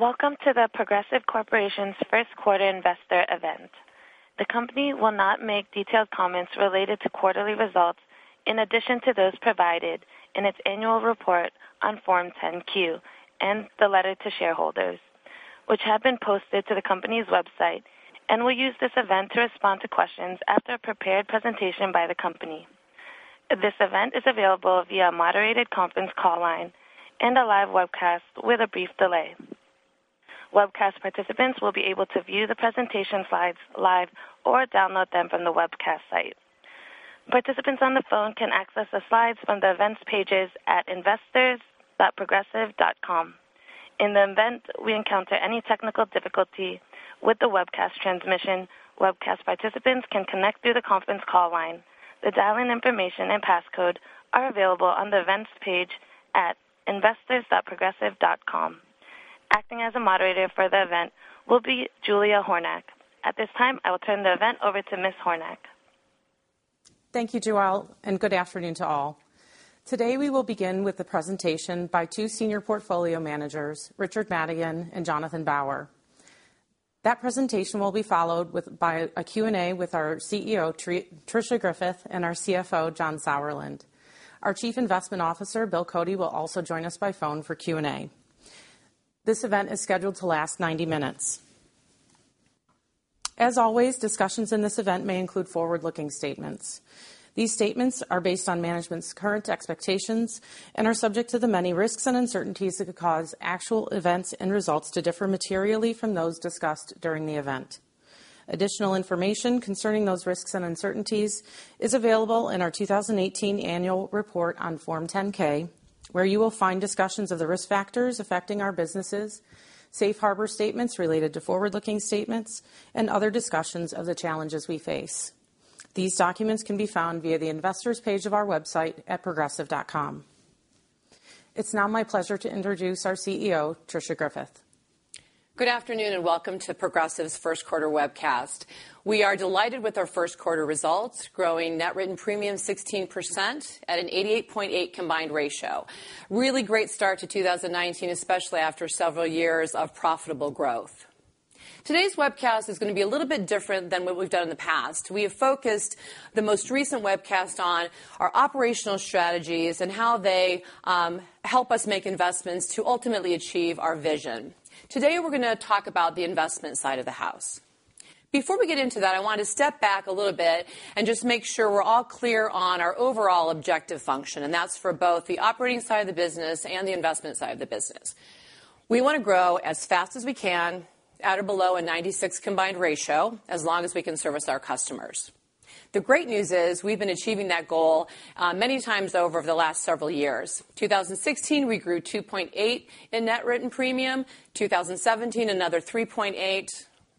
Welcome to The Progressive Corporation first quarter investor event. The company will not make detailed comments related to quarterly results in addition to those provided in its annual report on Form 10-Q and the letter to shareholders, which have been posted to the company's website, and will use this event to respond to questions after a prepared presentation by the company. This event is available via a moderated conference call line and a live webcast with a brief delay. Webcast participants will be able to view the presentation slides live or download them from the webcast site. Participants on the phone can access the slides on the events pages at investors.progressive.com. In the event we encounter any technical difficulty with the webcast transmission, webcast participants can connect through the conference call line. The dial-in information and passcode are available on the events page at investors.progressive.com. Acting as a moderator for the event will be Julia Hornack. At this time, I will turn the event over to Ms. Hornack. Thank you, Joelle, and good afternoon to all. Today, we will begin with the presentation by two senior portfolio managers, Richard Madigan and Jonathan Bauer. That presentation will be followed by a Q&A with our CEO, Tricia Griffith, and our CFO, John Sauerland. Our Chief Investment Officer, William Cody, will also join us by phone for Q&A. This event is scheduled to last 90 minutes. As always, discussions in this event may include forward-looking statements. These statements are based on management's current expectations and are subject to the many risks and uncertainties that could cause actual events and results to differ materially from those discussed during the event. Additional information concerning those risks and uncertainties is available in our 2018 annual report on Form 10-K, where you will find discussions of the risk factors affecting our businesses, safe harbor statements related to forward-looking statements, and other discussions of the challenges we face. These documents can be found via the investors page of our website at progressive.com. It's now my pleasure to introduce our CEO, Tricia Griffith. Good afternoon and welcome to Progressive's first quarter webcast. We are delighted with our first quarter results, growing net written premium 16% at an 88.8 combined ratio. Really great start to 2019, especially after several years of profitable growth. Today's webcast is going to be a little bit different than what we've done in the past. We have focused the most recent webcast on our operational strategies and how they help us make investments to ultimately achieve our vision. Today, we're going to talk about the investment side of the house. Before we get into that, I want to step back a little bit and just make sure we're all clear on our overall objective function, and that's for both the operating side of the business and the investment side of the business. We want to grow as fast as we can at or below a 96 combined ratio, as long as we can service our customers. The great news is we've been achieving that goal many times over the last several years. 2016, we grew 2.8 in net written premium, 2017, another 3.8,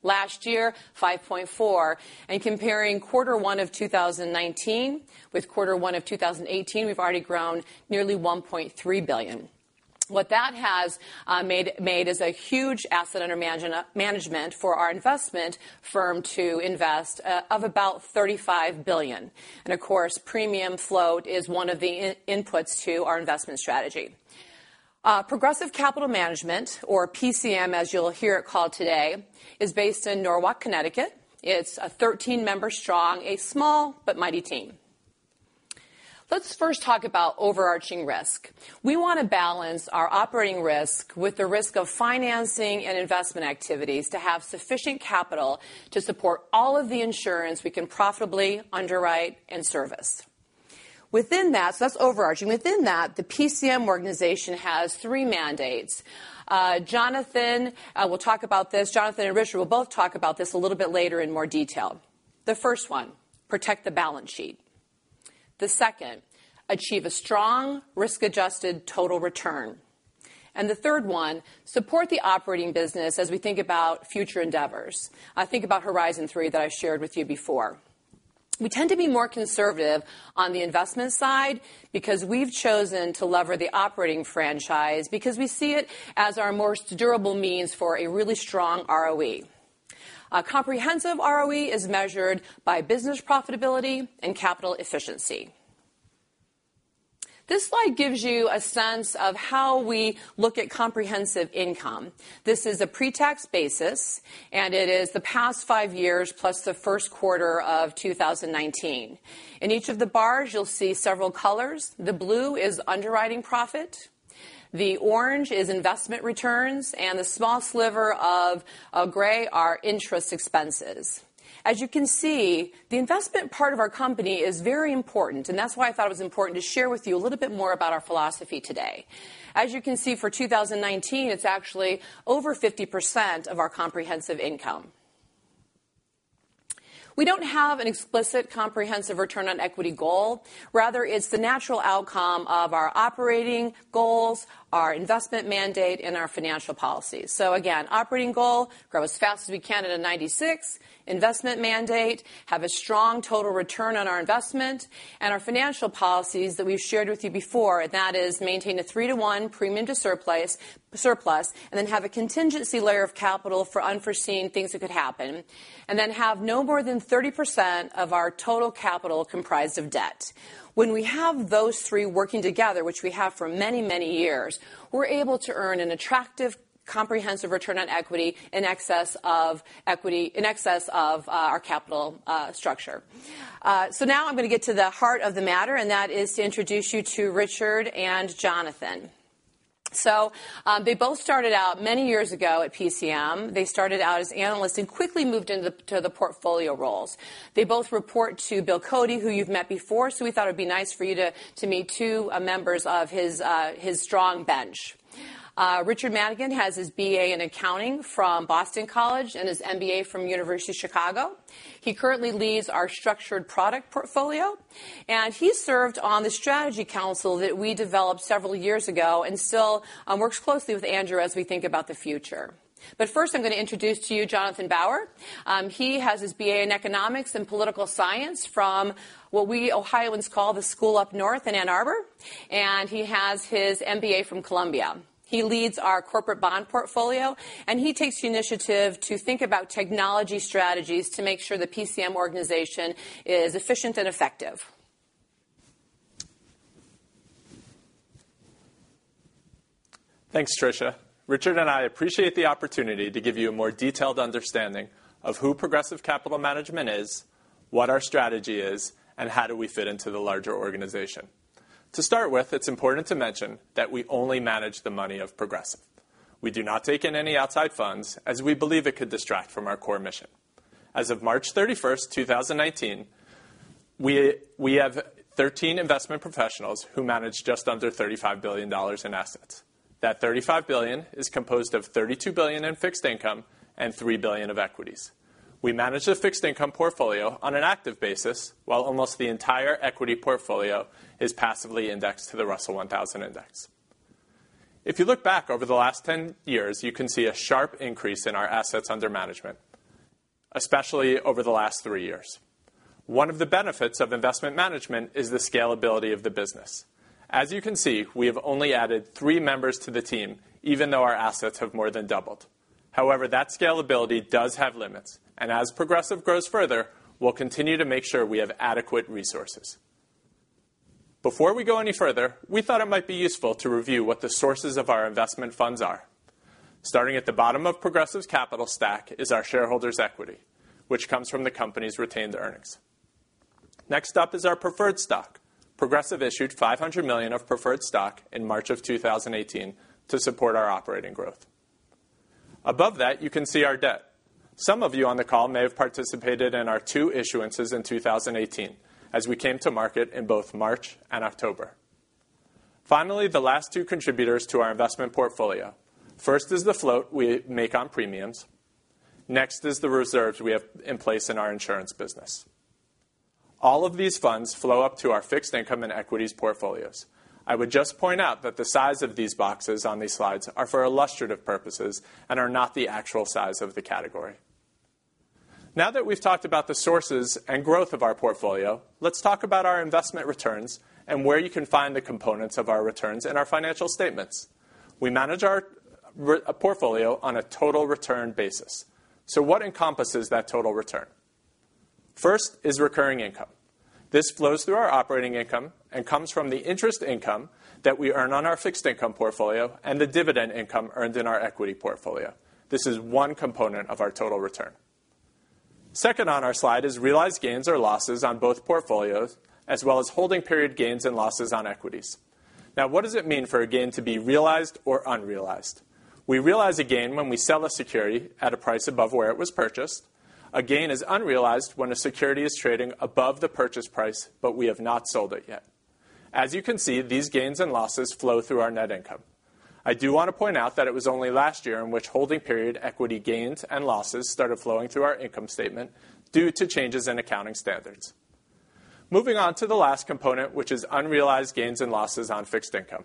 last year, 5.4, comparing quarter one of 2019 with quarter one of 2018, we've already grown nearly $1.3 billion. What that has made is a huge asset under management for our investment firm to invest of about $35 billion. Of course, premium float is one of the inputs to our investment strategy. Progressive Capital Management, or PCM as you'll hear it called today, is based in Norwalk, Connecticut. It's a 13-member strong, a small but mighty team. Let's first talk about overarching risk. We want to balance our operating risk with the risk of financing and investment activities to have sufficient capital to support all of the insurance we can profitably underwrite and service. Within that, so that's overarching. Within that, the PCM organization has three mandates. Jonathan will talk about this. Jonathan and Richard will both talk about this a little bit later in more detail. The first one, protect the balance sheet. The second, achieve a strong risk-adjusted total return. The third one, support the operating business as we think about future endeavors. Think about Horizon 3 that I shared with you before. We tend to be more conservative on the investment side because we've chosen to lever the operating franchise because we see it as our most durable means for a really strong ROE. A comprehensive ROE is measured by business profitability and capital efficiency. This slide gives you a sense of how we look at comprehensive income. This is a pre-tax basis, it is the past five years plus the first quarter of 2019. In each of the bars, you'll see several colors. The blue is underwriting profit, the orange is investment returns, the small sliver of gray are interest expenses. As you can see, the investment part of our company is very important, that's why I thought it was important to share with you a little bit more about our philosophy today. As you can see, for 2019, it's actually over 50% of our comprehensive income. We don't have an explicit comprehensive return on equity goal. Rather, it's the natural outcome of our operating goals, our investment mandate, and our financial policies. Again, operating goal, grow as fast as we can at a 96, investment mandate, have a strong total return on our investment, our financial policies that we've shared with you before, and that is maintain a 3 to 1 premium to surplus, and then have a contingency layer of capital for unforeseen things that could happen, and then have no more than 30% of our total capital comprised of debt. When we have those three working together, which we have for many, many years, we're able to earn an attractive comprehensive return on equity in excess of our capital structure. Now I'm going to get to the heart of the matter, and that is to introduce you to Richard and Jonathan. They both started out many years ago at PCM. They started out as analysts and quickly moved into the portfolio roles. They both report to Bill Cody, who you've met before, so we thought it'd be nice for you to meet two members of his strong bench. Richard Madigan has his BA in accounting from Boston College and his MBA from University of Chicago. He currently leads our structured product portfolio, and he served on the strategy council that we developed several years ago and still works closely with Andrew as we think about the future. First, I'm going to introduce to you Jonathan Bauer. He has his BA in economics and political science from what we Ohioans call the school up north in Ann Arbor, and he has his MBA from Columbia. He leads our corporate bond portfolio, and he takes the initiative to think about technology strategies to make sure the PCM organization is efficient and effective. Thanks, Tricia. Richard and I appreciate the opportunity to give you a more detailed understanding of who Progressive Capital Management is, what our strategy is, and how do we fit into the larger organization. To start with, it's important to mention that we only manage the money of Progressive. We do not take in any outside funds, as we believe it could distract from our core mission. As of March 31st, 2019, we have 13 investment professionals who manage just under $35 billion in assets. That $35 billion is composed of $32 billion in fixed income and $3 billion of equities. We manage the fixed income portfolio on an active basis, while almost the entire equity portfolio is passively indexed to the Russell 1000 Index. If you look back over the last 10 years, you can see a sharp increase in our assets under management, especially over the last three years. One of the benefits of investment management is the scalability of the business. As you can see, we have only added three members to the team, even though our assets have more than doubled. However, that scalability does have limits, and as Progressive grows further, we'll continue to make sure we have adequate resources. Before we go any further, we thought it might be useful to review what the sources of our investment funds are. Starting at the bottom of Progressive's capital stack is our shareholders' equity, which comes from the company's retained earnings. Next up is our preferred stock. Progressive issued $500 million of preferred stock in March of 2018 to support our operating growth. Above that, you can see our debt. Some of you on the call may have participated in our 2 issuances in 2018 as we came to market in both March and October. Finally, the last two contributors to our investment portfolio. First is the float we make on premiums. Next is the reserves we have in place in our insurance business. All of these funds flow up to our fixed income and equities portfolios. I would just point out that the size of these boxes on these slides are for illustrative purposes and are not the actual size of the category. Now that we've talked about the sources and growth of our portfolio, let's talk about our investment returns and where you can find the components of our returns and our financial statements. We manage our portfolio on a total return basis. What encompasses that total return? First is recurring income. This flows through our operating income and comes from the interest income that we earn on our fixed income portfolio and the dividend income earned in our equity portfolio. This is one component of our total return. Second on our slide is realized gains or losses on both portfolios, as well as holding period gains and losses on equities. What does it mean for a gain to be realized or unrealized? We realize a gain when we sell a security at a price above where it was purchased. A gain is unrealized when a security is trading above the purchase price, but we have not sold it yet. As you can see, these gains and losses flow through our net income. I do want to point out that it was only last year in which holding period equity gains and losses started flowing through our income statement due to changes in accounting standards. Moving on to the last component, which is unrealized gains and losses on fixed income.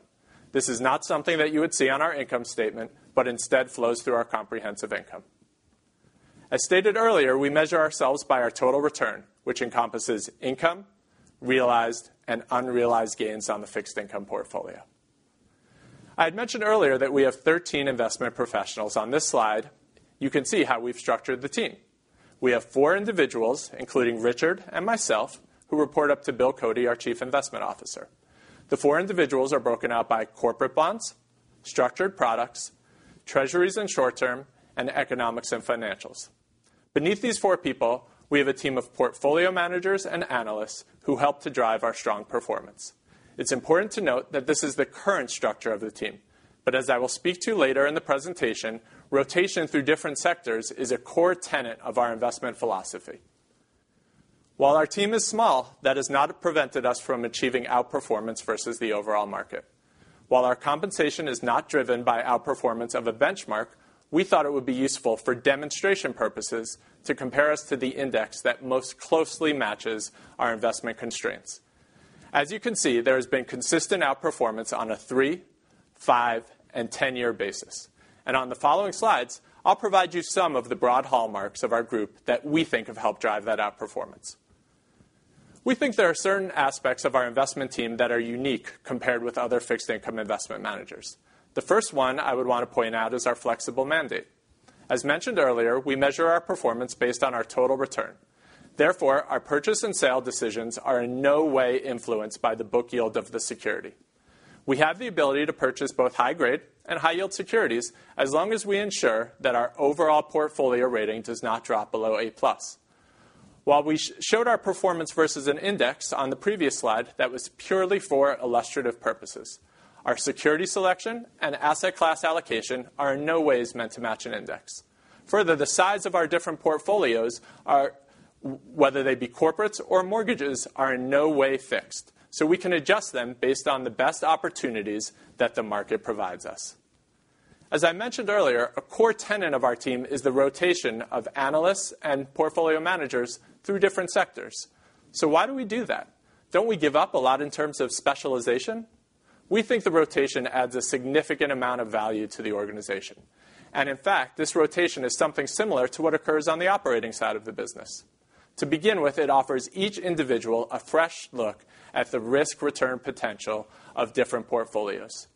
This is not something that you would see on our income statement, but instead flows through our comprehensive income. As stated earlier, we measure ourselves by our total return, which encompasses income, realized, and unrealized gains on the fixed income portfolio. I had mentioned earlier that we have 13 investment professionals. On this slide, you can see how we've structured the team. We have four individuals, including Richard and myself, who report up to Bill Cody, our Chief Investment Officer. The four individuals are broken out by corporate bonds, structured products, treasuries and short term, and economics and financials. Beneath these four people, we have a team of portfolio managers and analysts who help to drive our strong performance. It's important to note that this is the current structure of the team. As I will speak to later in the presentation, rotation through different sectors is a core tenet of our investment philosophy. While our team is small, that has not prevented us from achieving outperformance versus the overall market. While our compensation is not driven by outperformance of a benchmark, we thought it would be useful for demonstration purposes to compare us to the index that most closely matches our investment constraints. As you can see, there has been consistent outperformance on a three, five, and 10-year basis. On the following slides, I'll provide you some of the broad hallmarks of our group that we think have helped drive that outperformance. We think there are certain aspects of our investment team that are unique compared with other fixed income investment managers. The first one I would want to point out is our flexible mandate. As mentioned earlier, we measure our performance based on our total return. Therefore, our purchase and sale decisions are in no way influenced by the book yield of the security. We have the ability to purchase both high-grade and high-yield securities as long as we ensure that our overall portfolio rating does not drop below A+. While we showed our performance versus an index on the previous slide, that was purely for illustrative purposes. Our security selection and asset class allocation are in no ways meant to match an index. Further, the size of our different portfolios, whether they be corporates or mortgages, are in no way fixed. We can adjust them based on the best opportunities that the market provides us. As I mentioned earlier, a core tenet of our team is the rotation of analysts and portfolio managers through different sectors. Why do we do that? Don't we give up a lot in terms of specialization? We think the rotation adds a significant amount of value to the organization. In fact, this rotation is something similar to what occurs on the operating side of the business. To begin with, it offers each individual a fresh look at the risk-return potential of different portfolios.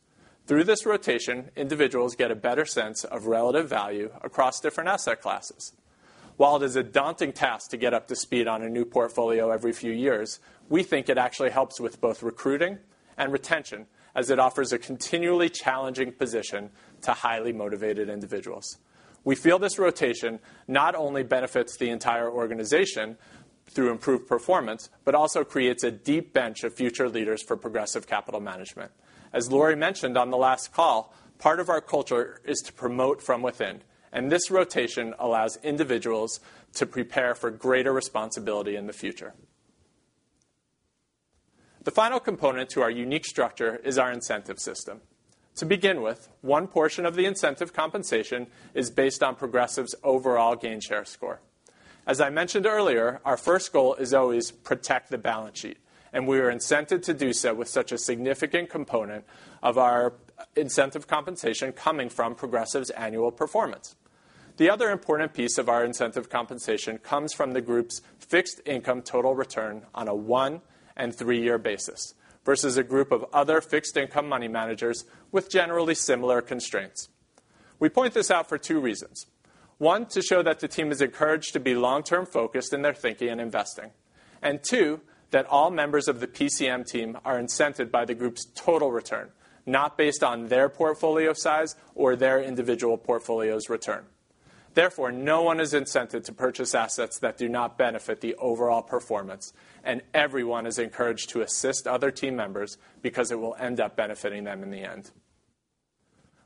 Through this rotation, individuals get a better sense of relative value across different asset classes. While it is a daunting task to get up to speed on a new portfolio every few years, we think it actually helps with both recruiting and retention, as it offers a continually challenging position to highly motivated individuals. We feel this rotation not only benefits the entire organization through improved performance, but also creates a deep bench of future leaders for Progressive Capital Management. As Lori mentioned on the last call, part of our culture is to promote from within, this rotation allows individuals to prepare for greater responsibility in the future. The final component to our unique structure is our incentive system. To begin with, one portion of the incentive compensation is based on Progressive's overall gain share score. As I mentioned earlier, our first goal is always protect the balance sheet, we are incented to do so with such a significant component of our incentive compensation coming from Progressive's annual performance. The other important piece of our incentive compensation comes from the group's fixed income total return on a one and three-year basis, versus a group of other fixed income money managers with generally similar constraints. We point this out for two reasons. One, to show that the team is encouraged to be long-term focused in their thinking and investing. Two, that all members of the PCM team are incented by the group's total return, not based on their portfolio size or their individual portfolio's return. No one is incented to purchase assets that do not benefit the overall performance, and everyone is encouraged to assist other team members because it will end up benefiting them in the end.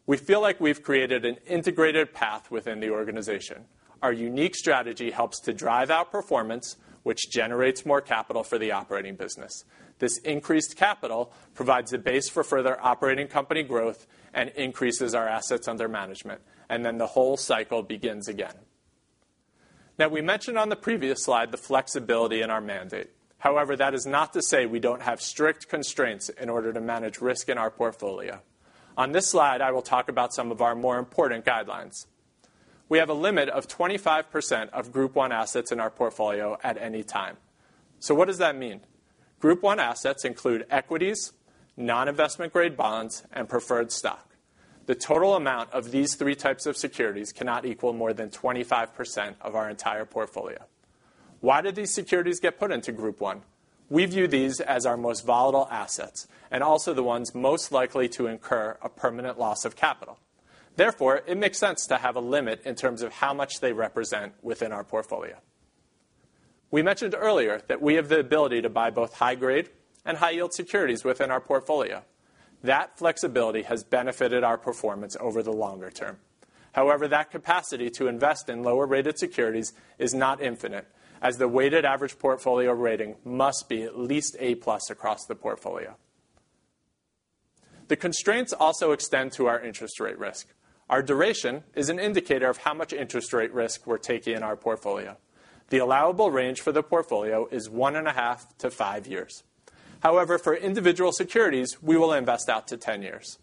We feel like we've created an integrated path within the organization. Our unique strategy helps to drive our performance, which generates more capital for the operating business. This increased capital provides a base for further operating company growth and increases our assets under management. The whole cycle begins again. We mentioned on the previous slide the flexibility in our mandate. That is not to say we don't have strict constraints in order to manage risk in our portfolio. On this slide, I will talk about some of our more important guidelines. We have a limit of 25% of Group 1 assets in our portfolio at any time. What does that mean? Group 1 assets include equities, non-investment grade bonds, and preferred stock. The total amount of these 3 types of securities cannot equal more than 25% of our entire portfolio. Why did these securities get put into Group 1? We view these as our most volatile assets and also the ones most likely to incur a permanent loss of capital. It makes sense to have a limit in terms of how much they represent within our portfolio. We mentioned earlier that we have the ability to buy both high-grade and high-yield securities within our portfolio. That flexibility has benefited our performance over the longer term. That capacity to invest in lower-rated securities is not infinite, as the weighted average portfolio rating must be at least A+ across the portfolio. The constraints also extend to our interest rate risk. Our duration is an indicator of how much interest rate risk we're taking in our portfolio. The allowable range for the portfolio is 1.5-5 years. For individual securities, we will invest out to 10 years.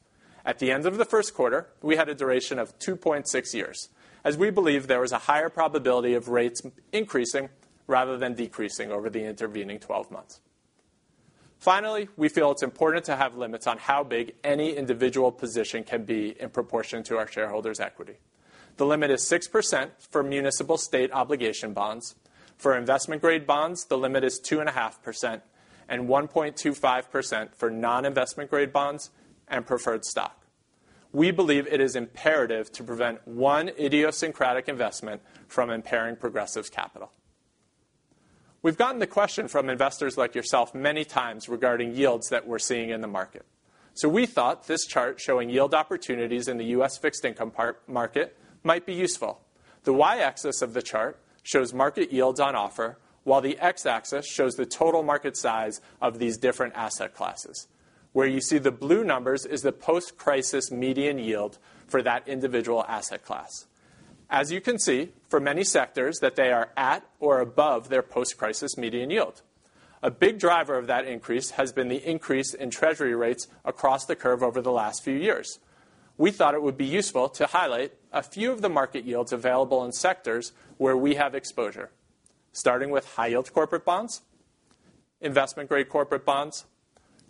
At the end of the first quarter, we had a duration of 2.6 years, as we believe there was a higher probability of rates increasing rather than decreasing over the intervening 12 months. Finally, we feel it's important to have limits on how big any individual position can be in proportion to our shareholders' equity. The limit is 6% for municipal state obligation bonds. For investment-grade bonds, the limit is 2.5%, and 1.25% for non-investment grade bonds and preferred stock. We believe it is imperative to prevent one idiosyncratic investment from impairing Progressive's capital. We've gotten the question from investors like yourself many times regarding yields that we're seeing in the market. We thought this chart showing yield opportunities in the U.S. fixed income market might be useful. The Y-axis of the chart shows market yields on offer, while the X-axis shows the total market size of these different asset classes. Where you see the blue numbers is the post-crisis median yield for that individual asset class. As you can see, for many sectors that they are at or above their post-crisis median yield. A big driver of that increase has been the increase in treasury rates across the curve over the last few years. We thought it would be useful to highlight a few of the market yields available in sectors where we have exposure. Starting with high-yield corporate bonds, investment-grade corporate bonds,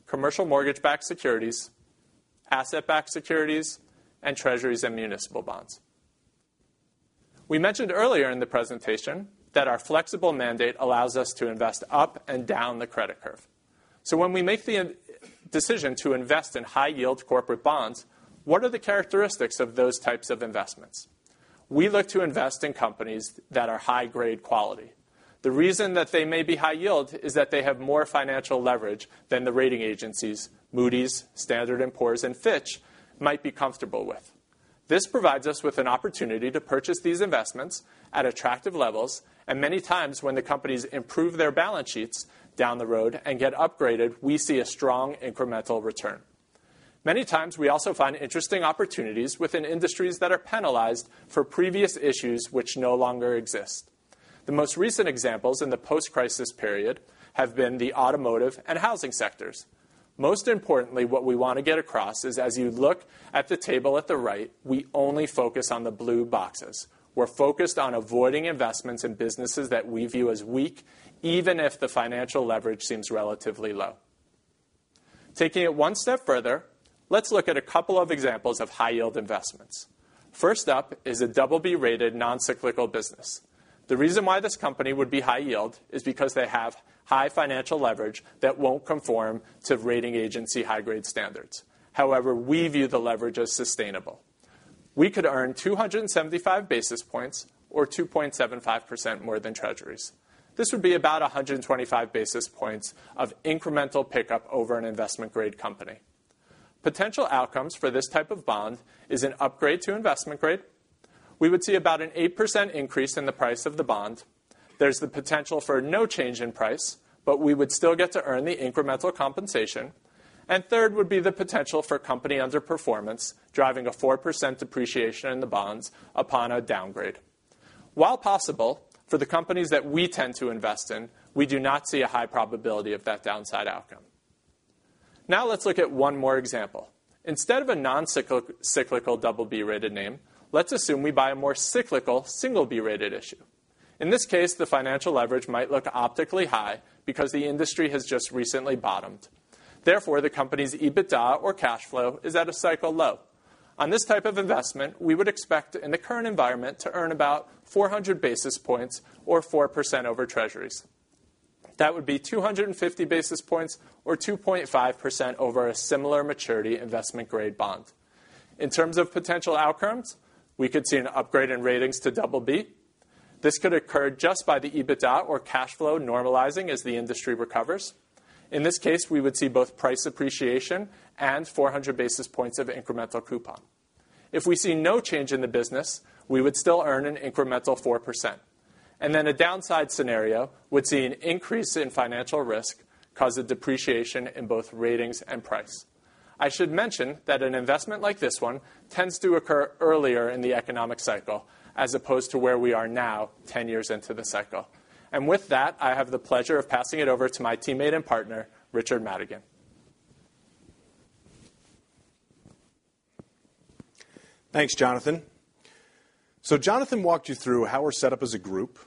commercial mortgage-backed securities, asset-backed securities, and Treasuries and municipal bonds. We mentioned earlier in the presentation that our flexible mandate allows us to invest up and down the credit curve. When we make the decision to invest in high-yield corporate bonds, what are the characteristics of those types of investments? We look to invest in companies that are high-grade quality. The reason that they may be high yield is that they have more financial leverage than the rating agencies, Moody's, Standard & Poor's, and Fitch, might be comfortable with. This provides us with an opportunity to purchase these investments at attractive levels, and many times when the companies improve their balance sheets down the road and get upgraded, we see a strong incremental return. Many times, we also find interesting opportunities within industries that are penalized for previous issues which no longer exist. The most recent examples in the post-crisis period have been the automotive and housing sectors. Most importantly, what we want to get across is, as you look at the table at the right, we only focus on the blue boxes. We're focused on avoiding investments in businesses that we view as weak, even if the financial leverage seems relatively low. Taking it one step further, let's look at a couple of examples of high-yield investments. First up is a BB-rated non-cyclical business. The reason why this company would be high yield is because they have high financial leverage that won't conform to rating agency high-grade standards. However, we view the leverage as sustainable. We could earn 275 basis points or 2.75% more than Treasuries. This would be about 125 basis points of incremental pickup over an investment-grade company. Potential outcomes for this type of bond is an upgrade to investment grade. We would see about an 8% increase in the price of the bond. There's the potential for no change in price, but we would still get to earn the incremental compensation. Third would be the potential for company underperformance, driving a 4% depreciation in the bonds upon a downgrade. While possible, for the companies that we tend to invest in, we do not see a high probability of that downside outcome. Let's look at one more example. Instead of a non-cyclical BB-rated name, let's assume we buy a more cyclical, single B-rated issue. In this case, the financial leverage might look optically high because the industry has just recently bottomed. Therefore, the company's EBITDA or cash flow is at a cycle low. On this type of investment, we would expect, in the current environment, to earn about 400 basis points or 4% over Treasuries. That would be 250 basis points or 2.5% over a similar maturity investment grade bond. In terms of potential outcomes, we could see an upgrade in ratings to BB. This could occur just by the EBITDA or cash flow normalizing as the industry recovers. In this case, we would see both price appreciation and 400 basis points of incremental coupon. If we see no change in the business, we would still earn an incremental 4%. Then a downside scenario would see an increase in financial risk cause a depreciation in both ratings and price. I should mention that an investment like this one tends to occur earlier in the economic cycle, as opposed to where we are now, 10 years into the cycle. With that, I have the pleasure of passing it over to my teammate and partner, Richard Madigan. Thanks, Jonathan. Jonathan walked you through how we're set up as a group,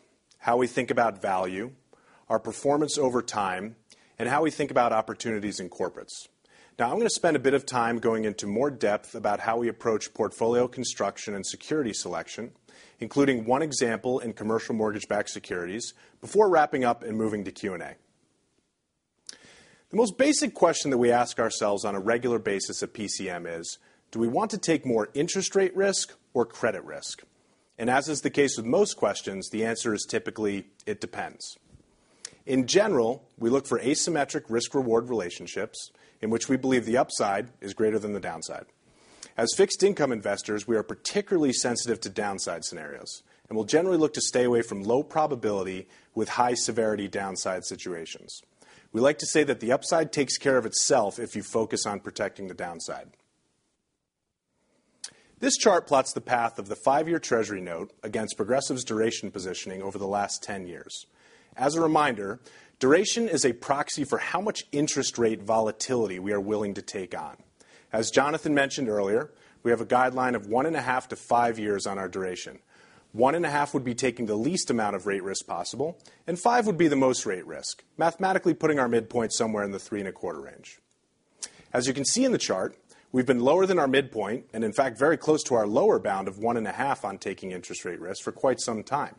how we think about value, our performance over time, and how we think about opportunities in corporates. I'm going to spend a bit of time going into more depth about how we approach portfolio construction and security selection, including one example in commercial mortgage-backed securities, before wrapping up and moving to Q&A. The most basic question that we ask ourselves on a regular basis at PCM is: do we want to take more interest rate risk or credit risk? As is the case with most questions, the answer is typically, it depends. In general, we look for asymmetric risk-reward relationships in which we believe the upside is greater than the downside. As fixed income investors, we are particularly sensitive to downside scenarios, we'll generally look to stay away from low probability with high severity downside situations. We like to say that the upside takes care of itself if you focus on protecting the downside. This chart plots the path of the five-year Treasury note against Progressive's duration positioning over the last 10 years. As a reminder, duration is a proxy for how much interest rate volatility we are willing to take on. As Jonathan mentioned earlier, we have a guideline of one and a half to five years on our duration. One and a half would be taking the least amount of rate risk possible, and five would be the most rate risk, mathematically putting our midpoint somewhere in the three and a quarter range. As you can see in the chart, we've been lower than our midpoint, in fact, very close to our lower bound of one and a half on taking interest rate risk for quite some time,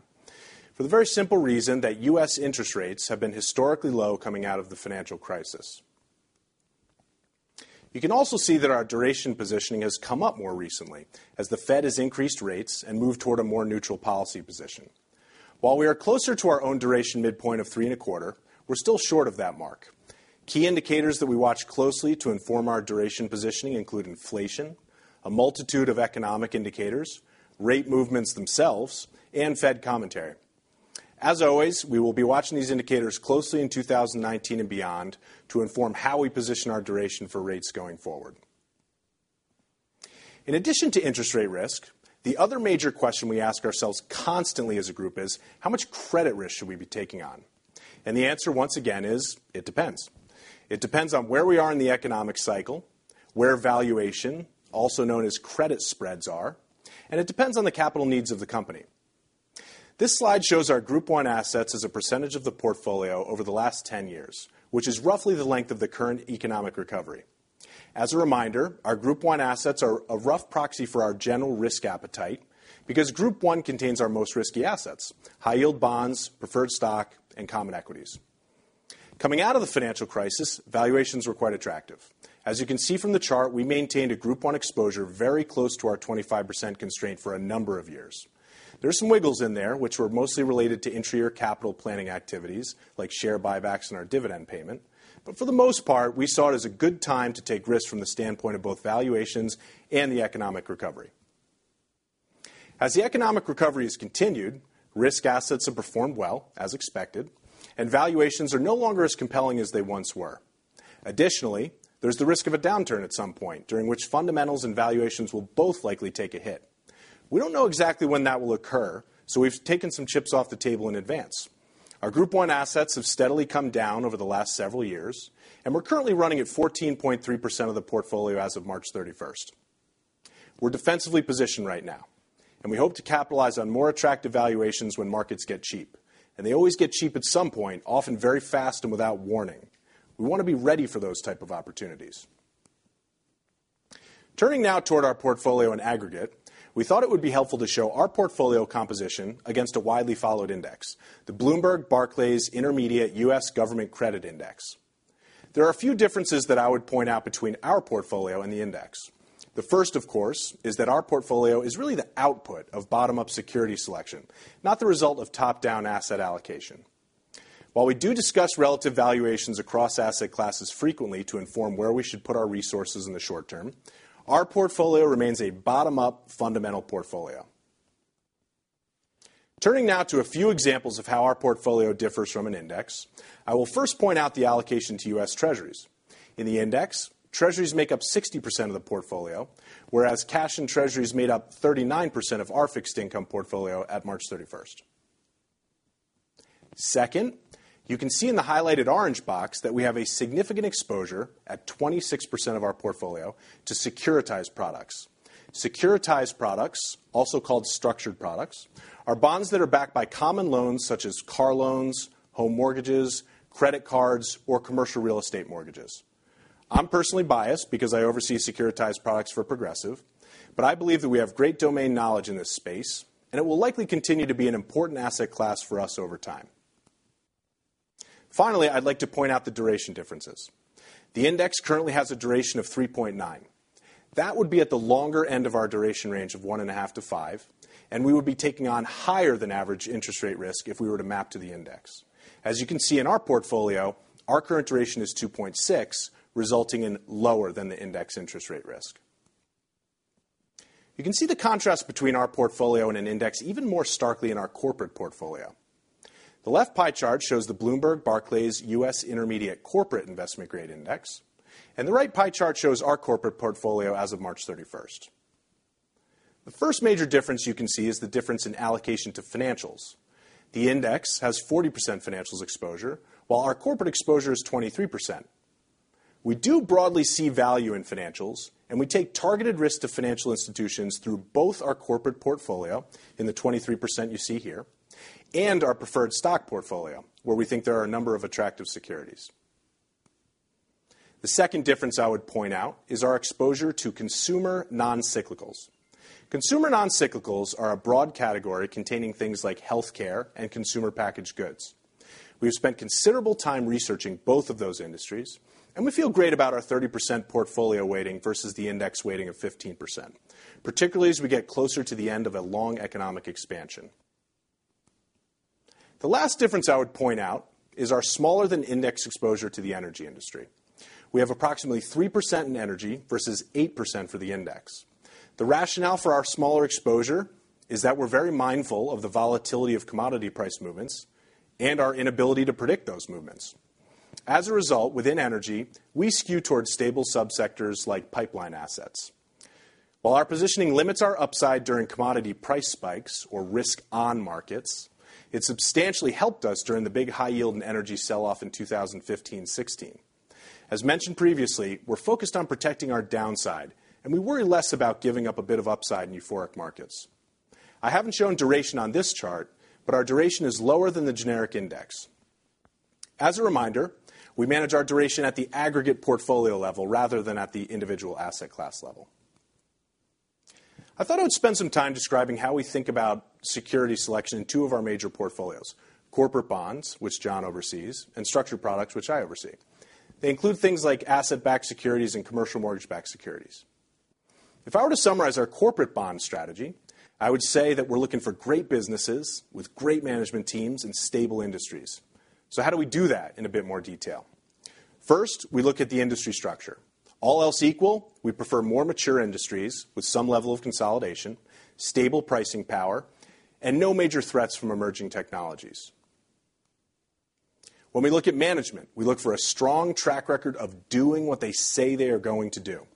for the very simple reason that U.S. interest rates have been historically low coming out of the financial crisis. You can also see that our duration positioning has come up more recently as the Fed has increased rates and moved toward a more neutral policy position. While we are closer to our own duration midpoint of three and a quarter, we're still short of that mark. Key indicators that we watch closely to inform our duration positioning include inflation, a multitude of economic indicators, rate movements themselves, Fed commentary. As always, we will be watching these indicators closely in 2019 and beyond to inform how we position our duration for rates going forward. In addition to interest rate risk, the other major question we ask ourselves constantly as a group is: how much credit risk should we be taking on? The answer, once again, is it depends. It depends on where we are in the economic cycle, where valuation, also known as credit spreads, are, and it depends on the capital needs of the company. This slide shows our Group 1 assets as a percentage of the portfolio over the last 10 years, which is roughly the length of the current economic recovery. As a reminder, our Group 1 assets are a rough proxy for our general risk appetite because Group 1 contains our most risky assets: high yield bonds, preferred stock, and common equities. Coming out of the financial crisis, valuations were quite attractive. As you can see from the chart, we maintained a Group 1 exposure very close to our 25% constraint for a number of years. There are some wiggles in there, which were mostly related to interior capital planning activities like share buybacks and our dividend payment. For the most part, we saw it as a good time to take risks from the standpoint of both valuations and the economic recovery. As the economic recovery has continued, risk assets have performed well, as expected, and valuations are no longer as compelling as they once were. Additionally, there's the risk of a downturn at some point, during which fundamentals and valuations will both likely take a hit. We don't know exactly when that will occur, so we've taken some chips off the table in advance. Our Group 1 assets have steadily come down over the last several years, and we're currently running at 14.3% of the portfolio as of March 31st. We're defensively positioned right now, and we hope to capitalize on more attractive valuations when markets get cheap, and they always get cheap at some point, often very fast and without warning. We want to be ready for those type of opportunities. Turning now toward our portfolio in aggregate, we thought it would be helpful to show our portfolio composition against a widely followed index, the Bloomberg Barclays Intermediate U.S. Government/Credit Index. There are a few differences that I would point out between our portfolio and the index. The first, of course, is that our portfolio is really the output of bottom-up security selection, not the result of top-down asset allocation. While we do discuss relative valuations across asset classes frequently to inform where we should put our resources in the short term, our portfolio remains a bottom-up fundamental portfolio. Turning now to a few examples of how our portfolio differs from an index, I will first point out the allocation to U.S. Treasuries. In the index, Treasuries make up 60% of the portfolio, whereas cash and Treasuries made up 39% of our fixed income portfolio at March 31st. Second, you can see in the highlighted orange box that we have a significant exposure at 26% of our portfolio to securitized products. Securitized products, also called structured products, are bonds that are backed by common loans such as car loans, home mortgages, credit cards, or commercial real estate mortgages. I'm personally biased because I oversee securitized products for Progressive, but I believe that we have great domain knowledge in this space, and it will likely continue to be an important asset class for us over time. Finally, I'd like to point out the duration differences. The index currently has a duration of 3.9. That would be at the longer end of our duration range of 1.5 to 5, and we would be taking on higher than average interest rate risk if we were to map to the index. As you can see in our portfolio, our current duration is 2.6, resulting in lower than the index interest rate risk. You can see the contrast between our portfolio and an index even more starkly in our corporate portfolio. The left pie chart shows the Bloomberg Barclays U.S. Intermediate Corporate Investment Grade Index, and the right pie chart shows our corporate portfolio as of March 31st. The first major difference you can see is the difference in allocation to financials. The index has 40% financials exposure, while our corporate exposure is 23%. We do broadly see value in financials, and we take targeted risks to financial institutions through both our corporate portfolio, in the 23% you see here, and our preferred stock portfolio, where we think there are a number of attractive securities. The second difference I would point out is our exposure to consumer non-cyclicals. Consumer non-cyclicals are a broad category containing things like healthcare and consumer packaged goods. We've spent considerable time researching both of those industries, and we feel great about our 30% portfolio weighting versus the index weighting of 15%, particularly as we get closer to the end of a long economic expansion. The last difference I would point out is our smaller than index exposure to the energy industry. We have approximately 3% in energy versus 8% for the index. The rationale for our smaller exposure is that we're very mindful of the volatility of commodity price movements and our inability to predict those movements. As a result, within energy, we skew towards stable subsectors like pipeline assets. While our positioning limits our upside during commodity price spikes or risk on markets, it substantially helped us during the big high yield and energy sell-off in 2015-2016. As mentioned previously, we're focused on protecting our downside, and we worry less about giving up a bit of upside in euphoric markets. I haven't shown duration on this chart, but our duration is lower than the generic index. As a reminder, we manage our duration at the aggregate portfolio level rather than at the individual asset class level. I thought I would spend some time describing how we think about security selection in two of our major portfolios, corporate bonds, which John oversees, and structured products, which I oversee. They include things like asset-backed securities and commercial mortgage-backed securities. If I were to summarize our corporate bond strategy, I would say that we're looking for great businesses with great management teams in stable industries. How do we do that in a bit more detail? First, we look at the industry structure. All else equal, we prefer more mature industries with some level of consolidation, stable pricing power, and no major threats from emerging technologies. When we look at management, we look for a strong track record of doing what they say they are going to do.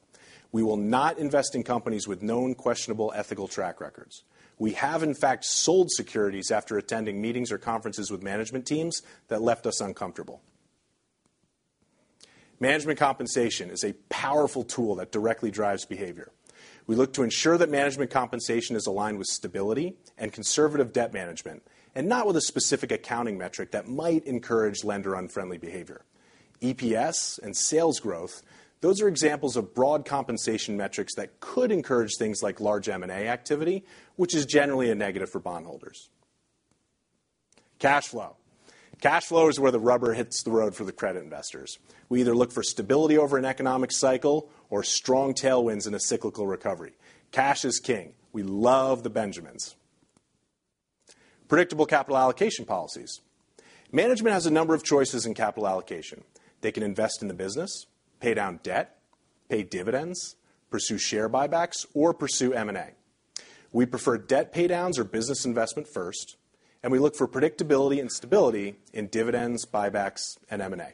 We will not invest in companies with known questionable ethical track records. We have, in fact, sold securities after attending meetings or conferences with management teams that left us uncomfortable. Management compensation is a powerful tool that directly drives behavior. We look to ensure that management compensation is aligned with stability and conservative debt management, and not with a specific accounting metric that might encourage lender-unfriendly behavior. EPS and sales growth, those are examples of broad compensation metrics that could encourage things like large M&A activity, which is generally a negative for bondholders. Cash flow is where the rubber hits the road for the credit investors. We either look for stability over an economic cycle or strong tailwinds in a cyclical recovery. Cash is king. We love the Benjamins. Predictable capital allocation policies. Management has a number of choices in capital allocation. They can invest in the business, pay down debt, pay dividends, pursue share buybacks, or pursue M&A. We prefer debt pay-downs or business investment first, and we look for predictability and stability in dividends, buybacks, and M&A.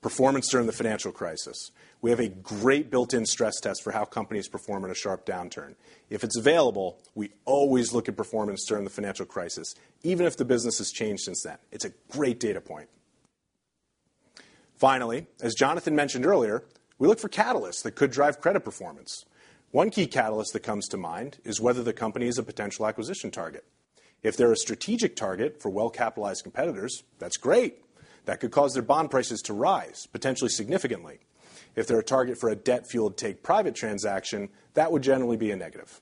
Performance during the financial crisis. We have a great built-in stress test for how companies perform in a sharp downturn. If it's available, we always look at performance during the financial crisis, even if the business has changed since then. It's a great data point. Finally, as Jonathan mentioned earlier, we look for catalysts that could drive credit performance. One key catalyst that comes to mind is whether the company is a potential acquisition target. If they're a strategic target for well-capitalized competitors, that's great. That could cause their bond prices to rise, potentially significantly. If they're a target for a debt-fueled take-private transaction, that would generally be a negative.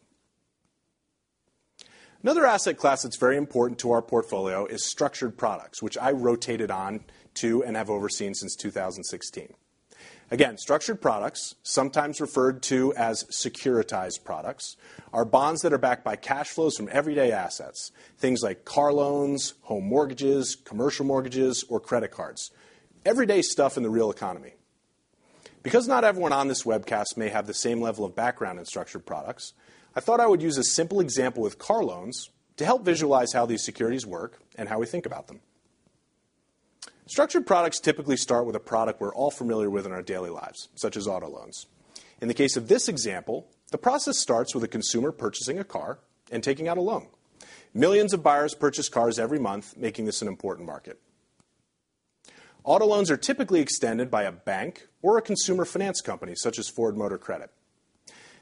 Another asset class that's very important to our portfolio is structured products, which I rotated on to and have overseen since 2016. Structured products, sometimes referred to as securitized products, are bonds that are backed by cash flows from everyday assets. Things like car loans, home mortgages, commercial mortgages, or credit cards. Everyday stuff in the real economy. Because not everyone on this webcast may have the same level of background in structured products, I thought I would use a simple example with car loans to help visualize how these securities work and how we think about them. Structured products typically start with a product we're all familiar with in our daily lives, such as auto loans. In the case of this example, the process starts with a consumer purchasing a car and taking out a loan. Millions of buyers purchase cars every month, making this an important market. Auto loans are typically extended by a bank or a consumer finance company, such as Ford Motor Credit.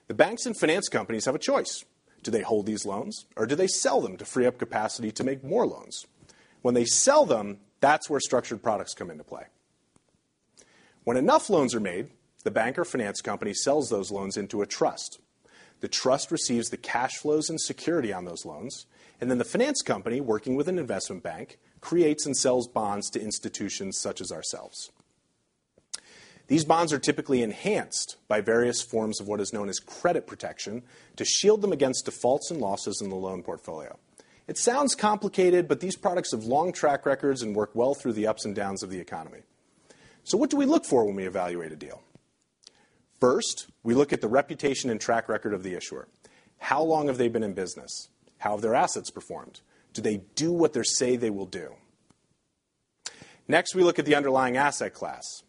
The banks and finance companies have a choice. Do they hold these loans, or do they sell them to free up capacity to make more loans? When they sell them, that's where structured products come into play. When enough loans are made, the bank or finance company sells those loans into a trust. The trust receives the cash flows and security on those loans, and then the finance company, working with an investment bank, creates and sells bonds to institutions such as ourselves. These bonds are typically enhanced by various forms of what is known as credit protection to shield them against defaults and losses in the loan portfolio. It sounds complicated, but these products have long track records and work well through the ups and downs of the economy. What do we look for when we evaluate a deal? First, we look at the reputation and track record of the issuer. How long have they been in business? How have their assets performed? Do they do what they say they will do? Next, we look at the underlying asset class.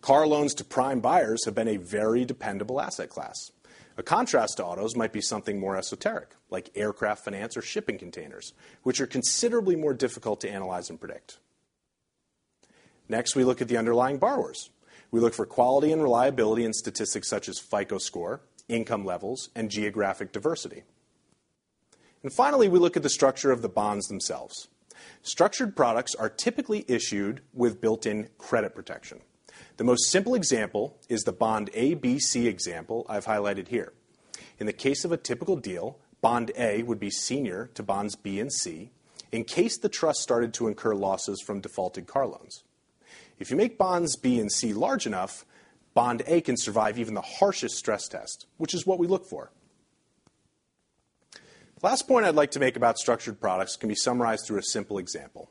Car loans to prime buyers have been a very dependable asset class. A contrast to autos might be something more esoteric, like aircraft finance or shipping containers, which are considerably more difficult to analyze and predict. Next, we look at the underlying borrowers. We look for quality and reliability in statistics such as FICO score, income levels, and geographic diversity. Finally, we look at the structure of the bonds themselves. Structured products are typically issued with built-in credit protection. The most simple example is the bond A, B, C example I've highlighted here. In the case of a typical deal, bond A would be senior to bonds B and C in case the trust started to incur losses from defaulted car loans. If you make bonds B and C large enough, bond A can survive even the harshest stress test, which is what we look for. The last point I'd like to make about structured products can be summarized through a simple example.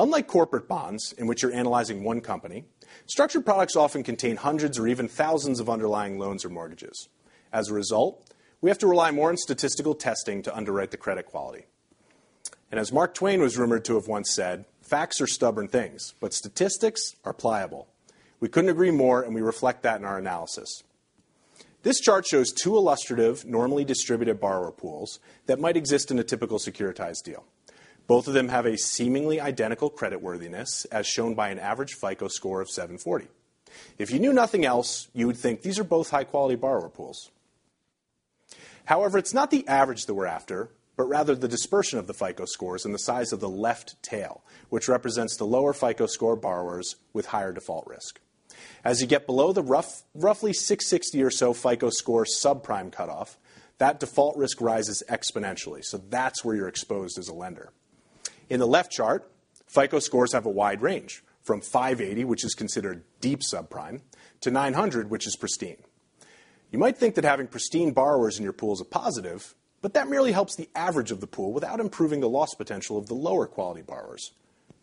Unlike corporate bonds, in which you're analyzing one company, structured products often contain hundreds or even thousands of underlying loans or mortgages. As a result, we have to rely more on statistical testing to underwrite the credit quality. As Mark Twain was rumored to have once said, "Facts are stubborn things, but statistics are pliable." We couldn't agree more, and we reflect that in our analysis. This chart shows two illustrative, normally distributed borrower pools that might exist in a typical securitized deal. Both of them have a seemingly identical credit worthiness, as shown by an average FICO score of 740. If you knew nothing else, you would think these are both high-quality borrower pools. However, it's not the average that we're after, but rather the dispersion of the FICO scores and the size of the left tail, which represents the lower FICO score borrowers with higher default risk. As you get below the roughly 660 or so FICO score subprime cutoff, that default risk rises exponentially, that's where you're exposed as a lender. In the left chart, FICO scores have a wide range, from 580, which is considered deep subprime, to 900, which is pristine. You might think that having pristine borrowers in your pool is a positive, but that merely helps the average of the pool without improving the loss potential of the lower-quality borrowers.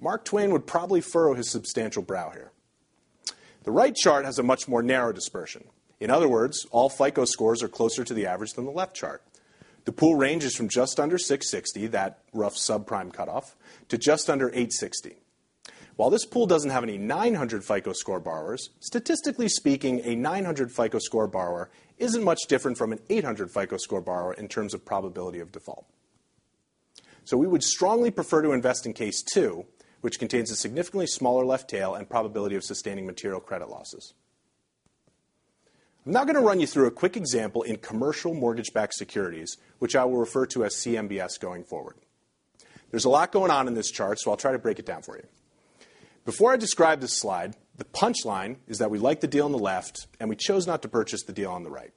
Mark Twain would probably furrow his substantial brow here. The right chart has a much more narrow dispersion. In other words, all FICO scores are closer to the average than the left chart. The pool ranges from just under 660, that rough subprime cutoff, to just under 860. While this pool doesn't have any 900 FICO score borrowers, statistically speaking, a 900 FICO score borrower isn't much different from an 800 FICO score borrower in terms of probability of default. We would strongly prefer to invest in case two, which contains a significantly smaller left tail and probability of sustaining material credit losses. I'm now going to run you through a quick example in commercial mortgage-backed securities, which I will refer to as CMBS going forward. There's a lot going on in this chart, so I'll try to break it down for you. Before I describe this slide, the punchline is that we like the deal on the left, and we chose not to purchase the deal on the right.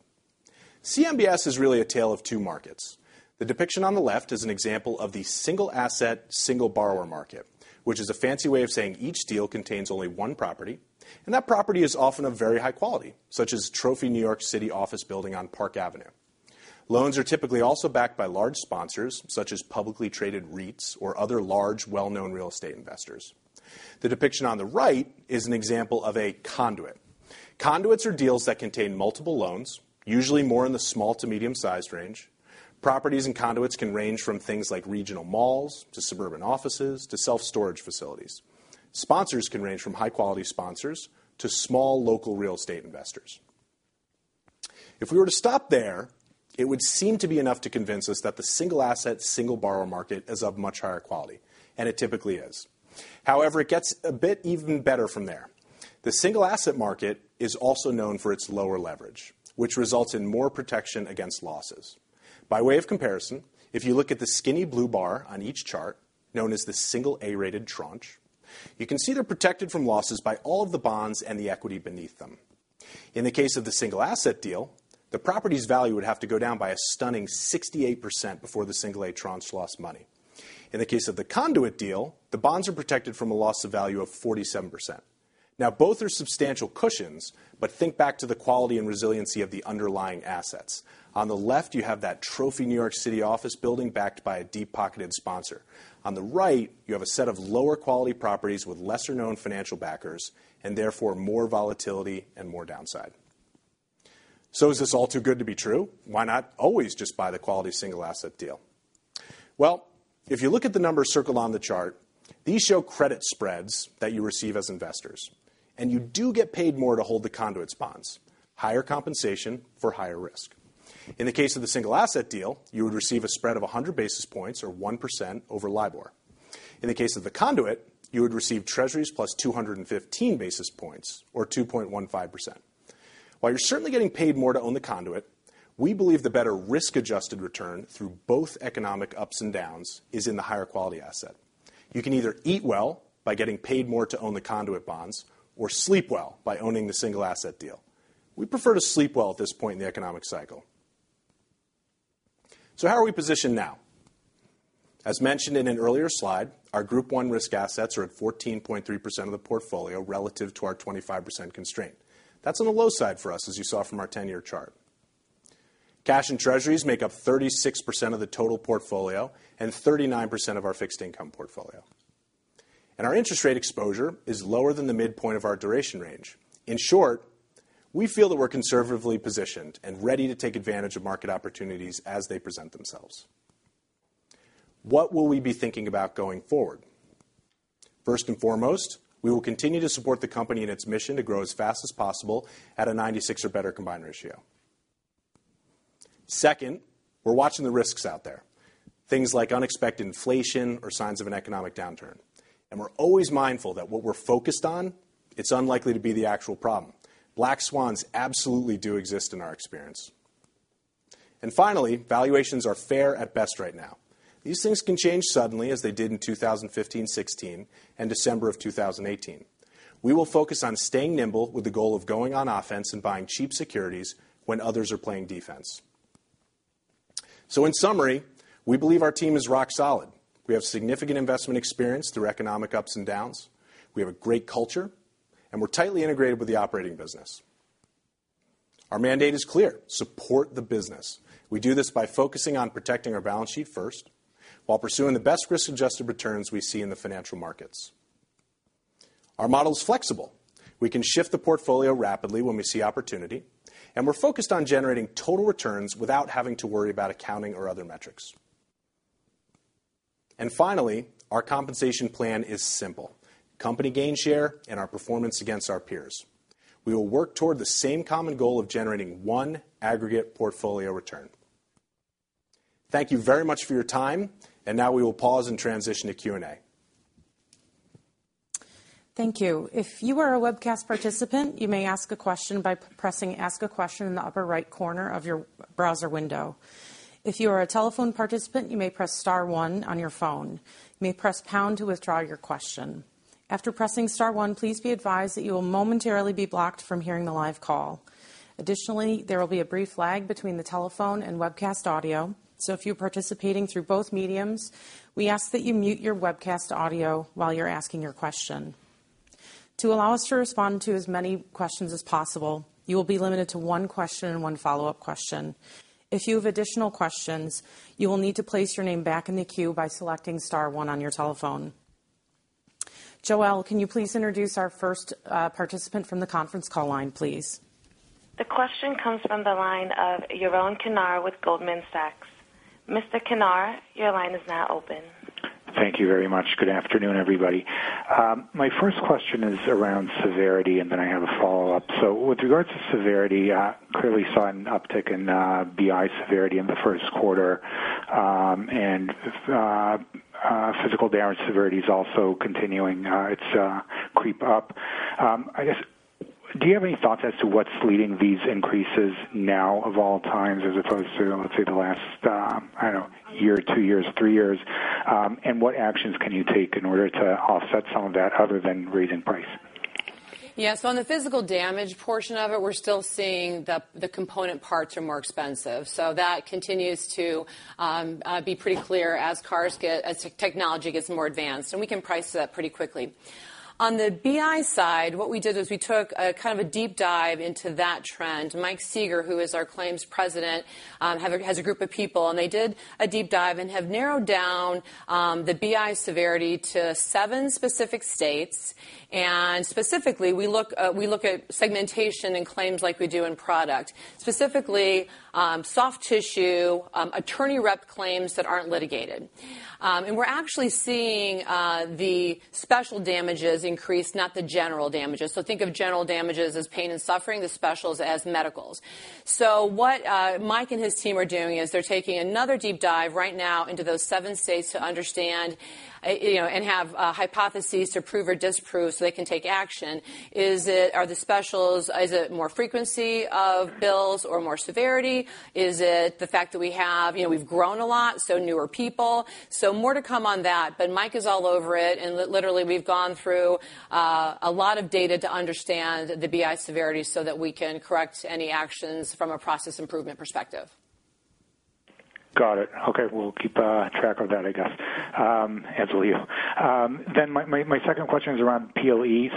CMBS is really a tale of two markets. The depiction on the left is an example of the single asset, single borrower market, which is a fancy way of saying each deal contains only one property, and that property is often of very high quality, such as trophy New York City office building on Park Avenue. Loans are typically also backed by large sponsors, such as publicly traded REITs or other large, well-known real estate investors. The depiction on the right is an example of a conduit. Conduits are deals that contain multiple loans, usually more in the small to medium-sized range. Properties and conduits can range from things like regional malls to suburban offices to self-storage facilities. Sponsors can range from high-quality sponsors to small, local real estate investors. If we were to stop there, it would seem to be enough to convince us that the single asset, single borrower market is of much higher quality, and it typically is. It gets a bit even better from there. The single asset market is also known for its lower leverage, which results in more protection against losses. By way of comparison, if you look at the skinny blue bar on each chart, known as the single A-rated tranche, you can see they're protected from losses by all of the bonds and the equity beneath them. In the case of the single asset deal, the property's value would have to go down by a stunning 68% before the single A tranche lost money. In the case of the conduit deal, the bonds are protected from a loss of value of 47%. Both are substantial cushions, but think back to the quality and resiliency of the underlying assets. On the left, you have that trophy New York City office building backed by a deep-pocketed sponsor. On the right, you have a set of lower quality properties with lesser-known financial backers, and therefore, more volatility and more downside. Is this all too good to be true? Why not always just buy the quality single asset deal? If you look at the numbers circled on the chart, these show credit spreads that you receive as investors, and you do get paid more to hold the conduit bonds. Higher compensation for higher risk. In the case of the single asset deal, you would receive a spread of 100 basis points or 1% over LIBOR. In the case of the conduit, you would receive treasuries plus 215 basis points or 2.15%. While you're certainly getting paid more to own the conduit, we believe the better risk-adjusted return through both economic ups and downs is in the higher quality asset. You can either eat well by getting paid more to own the conduit bonds or sleep well by owning the single asset deal. We prefer to sleep well at this point in the economic cycle. How are we positioned now? As mentioned in an earlier slide, our Group 1 risk assets are at 14.3% of the portfolio relative to our 25% constraint. That's on the low side for us, as you saw from our 10-year chart. Cash and treasuries make up 36% of the total portfolio and 39% of our fixed income portfolio. Our interest rate exposure is lower than the midpoint of our duration range. In short, we feel that we're conservatively positioned and ready to take advantage of market opportunities as they present themselves. What will we be thinking about going forward? First and foremost, we will continue to support the company in its mission to grow as fast as possible at a 96 or better combined ratio. Second, we're watching the risks out there, things like unexpected inflation or signs of an economic downturn. We're always mindful that what we're focused on, it's unlikely to be the actual problem. Black swans absolutely do exist in our experience. Finally, valuations are fair at best right now. These things can change suddenly, as they did in 2015, 2016, and December of 2018. We will focus on staying nimble with the goal of going on offense and buying cheap securities when others are playing defense. In summary, we believe our team is rock solid. We have significant investment experience through economic ups and downs. We have a great culture, and we're tightly integrated with the operating business. Our mandate is clear, support the business. We do this by focusing on protecting our balance sheet first while pursuing the best risk-adjusted returns we see in the financial markets. Our model is flexible. We can shift the portfolio rapidly when we see opportunity, and we're focused on generating total returns without having to worry about accounting or other metrics. Finally, our compensation plan is simple, company gain share and our performance against our peers. We will work toward the same common goal of generating one aggregate portfolio return. Thank you very much for your time. Now we will pause and transition to Q&A. Thank you. If you are a webcast participant, you may ask a question by pressing Ask a Question in the upper right corner of your browser window. If you are a telephone participant, you may press star one on your phone. You may press pound to withdraw your question. After pressing star one, please be advised that you will momentarily be blocked from hearing the live call. Additionally, there will be a brief lag between the telephone and webcast audio, so if you're participating through both mediums, we ask that you mute your webcast audio while you're asking your question. To allow us to respond to as many questions as possible, you will be limited to one question and one follow-up question. If you have additional questions, you will need to place your name back in the queue by selecting star one on your telephone. Joelle, can you please introduce our first participant from the conference call line, please? The question comes from the line of Yaron Kinar with Goldman Sachs. Mr. Kinar, your line is now open. Thank you very much. Good afternoon, everybody. My first question is around severity, then I have a follow-up. With regards to severity, clearly saw an uptick in BI severity in the first quarter, and physical damage severity is also continuing its creep up. I guess, do you have any thoughts as to what's leading these increases now of all times, as opposed to, let's say, the last, I don't know, year, two years, three years? What actions can you take in order to offset some of that, other than raising price? Yes. On the physical damage portion of it, we're still seeing the component parts are more expensive. That continues to be pretty clear as technology gets more advanced, and we can price that pretty quickly. On the BI side, what we did was we took a deep dive into that trend. Michael Sieger, who is our Claims President has a group of people, and they did a deep dive and have narrowed down the BI severity to seven specific states. Specifically, we look at segmentation and claims like we do in product, specifically soft tissue, attorney rep claims that aren't litigated. We're actually seeing the special damages increase, not the general damages. Think of general damages as pain and suffering, the specials as medicals. What Mike and his team are doing is they're taking another deep dive right now into those seven states to understand and have a hypothesis to prove or disprove so they can take action. Is it more frequency of bills or more severity? Is it the fact that we've grown a lot, so newer people? More to come on that, but Mike is all over it, and literally, we've gone through a lot of data to understand the BI severity so that we can correct any actions from a process improvement perspective. Got it. Okay. We'll keep track of that, I guess, as will you. My second question is around PLE.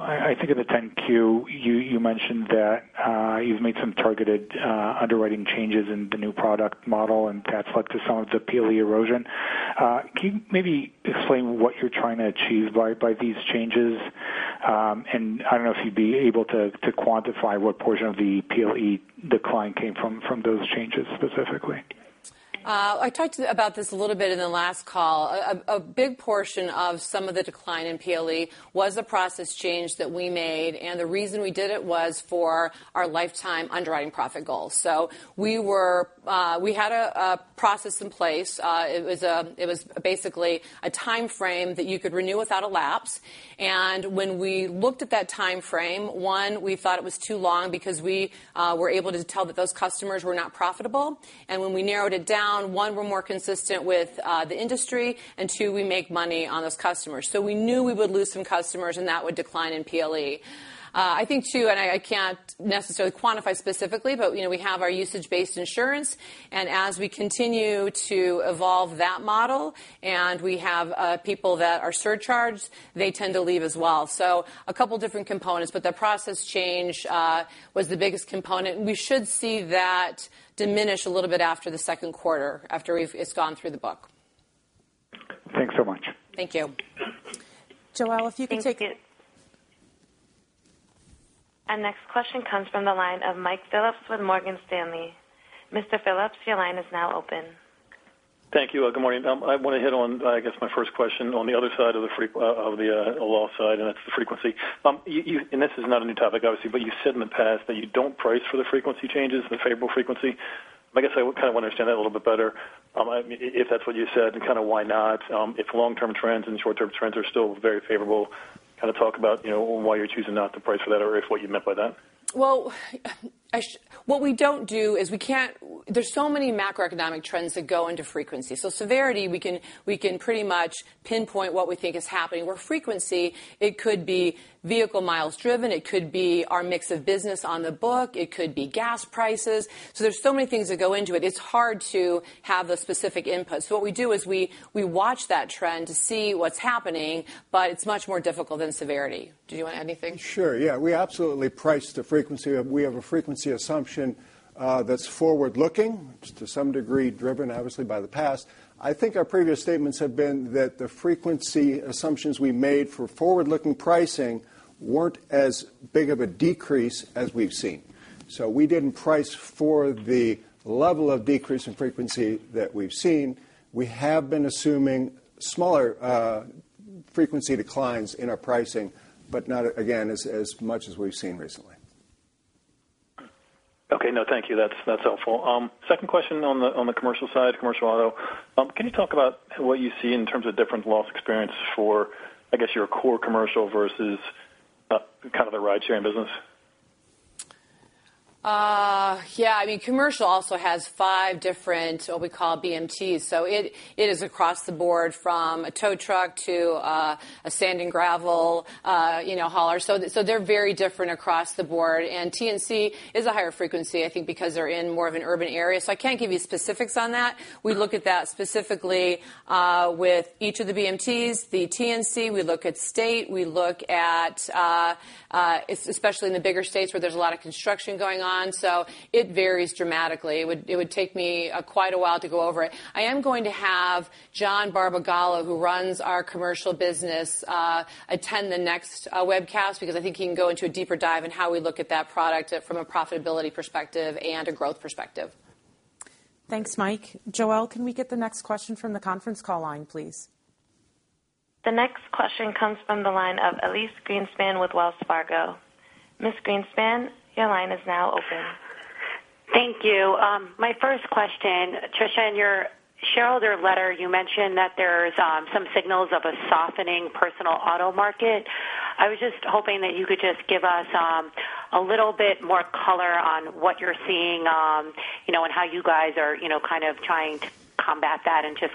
I think in the 10-Q, you mentioned that you've made some targeted underwriting changes in the new product model, and that's led to some of the PLE erosion. Can you maybe explain what you're trying to achieve by these changes? I don't know if you'd be able to quantify what portion of the PLE decline came from those changes specifically? I talked about this a little bit in the last call. A big portion of some of the decline in PLE was a process change that we made, and the reason we did it was for our lifetime underwriting profit goals. We had a process in place. It was basically a time frame that you could renew without a lapse. When we looked at that time frame, one, we thought it was too long because we were able to tell that those customers were not profitable. When we narrowed it down, one, we're more consistent with the industry, and two, we make money on those customers. We knew we would lose some customers and that would decline in PLE. I think, too, I can't necessarily quantify specifically, but we have our usage-based insurance, and as we continue to evolve that model and we have people that are surcharged, they tend to leave as well. A couple different components, but the process change was the biggest component. We should see that diminish a little bit after the second quarter, after it's gone through the book. Thanks so much. Thank you. Joelle, if you can take- Thank you. Our next question comes from the line of Michael Phillips with Morgan Stanley. Mr. Phillips, your line is now open. Thank you. Good morning. I want to hit on, I guess my first question, on the other side of the loss side, and that's the frequency. This is not a new topic, obviously, but you said in the past that you don't price for the frequency changes, the favorable frequency. I guess I kind of want to understand that a little bit better, if that's what you said, and kind of why not? If long-term trends and short-term trends are still very favorable, kind of talk about why you're choosing not to price for that or if what you meant by that? Well, what we don't do is there's so many macroeconomic trends that go into frequency. Severity, we can pretty much pinpoint what we think is happening. Where frequency, it could be vehicle miles driven, it could be our mix of business on the book, it could be gas prices. There's so many things that go into it. It's hard to have a specific input. What we do is we watch that trend to see what's happening, but it's much more difficult than severity. Do you want anything? Sure. Yeah. We absolutely price the frequency. We have a frequency assumption that's forward-looking, which is to some degree driven, obviously, by the past. I think our previous statements have been that the frequency assumptions we made for forward-looking pricing weren't as big of a decrease as we've seen. We didn't price for the level of decrease in frequency that we've seen. We have been assuming smaller frequency declines in our pricing, but not, again, as much as we've seen recently. Okay. No, thank you. That's helpful. Second question on the commercial side, commercial auto. Can you talk about what you see in terms of different loss experience for, I guess, your core commercial versus kind of the ride-sharing business? I mean, commercial also has five different what we call BMTs. It is across the board from a tow truck to a sand and gravel hauler. They're very different across the board. TNC is a higher frequency, I think, because they're in more of an urban area. I can't give you specifics on that. We look at that specifically with each of the BMTs, the TNC, we look at state, we look at especially in the bigger states where there's a lot of construction going on. It varies dramatically. It would take me quite a while to go over it. I am going to have John Barbagallo, who runs our commercial business attend the next webcast because I think he can go into a deeper dive in how we look at that product from a profitability perspective and a growth perspective. Thanks, Mike. Joelle, can we get the next question from the conference call line, please? The next question comes from the line of Elyse Greenspan with Wells Fargo. Ms. Greenspan, your line is now open. Thank you. My first question, Tricia, in your shareholder letter, you mentioned that there's some signals of a softening personal auto market. I was just hoping that you could just give us a little bit more color on what you're seeing and how you guys are trying to combat that and just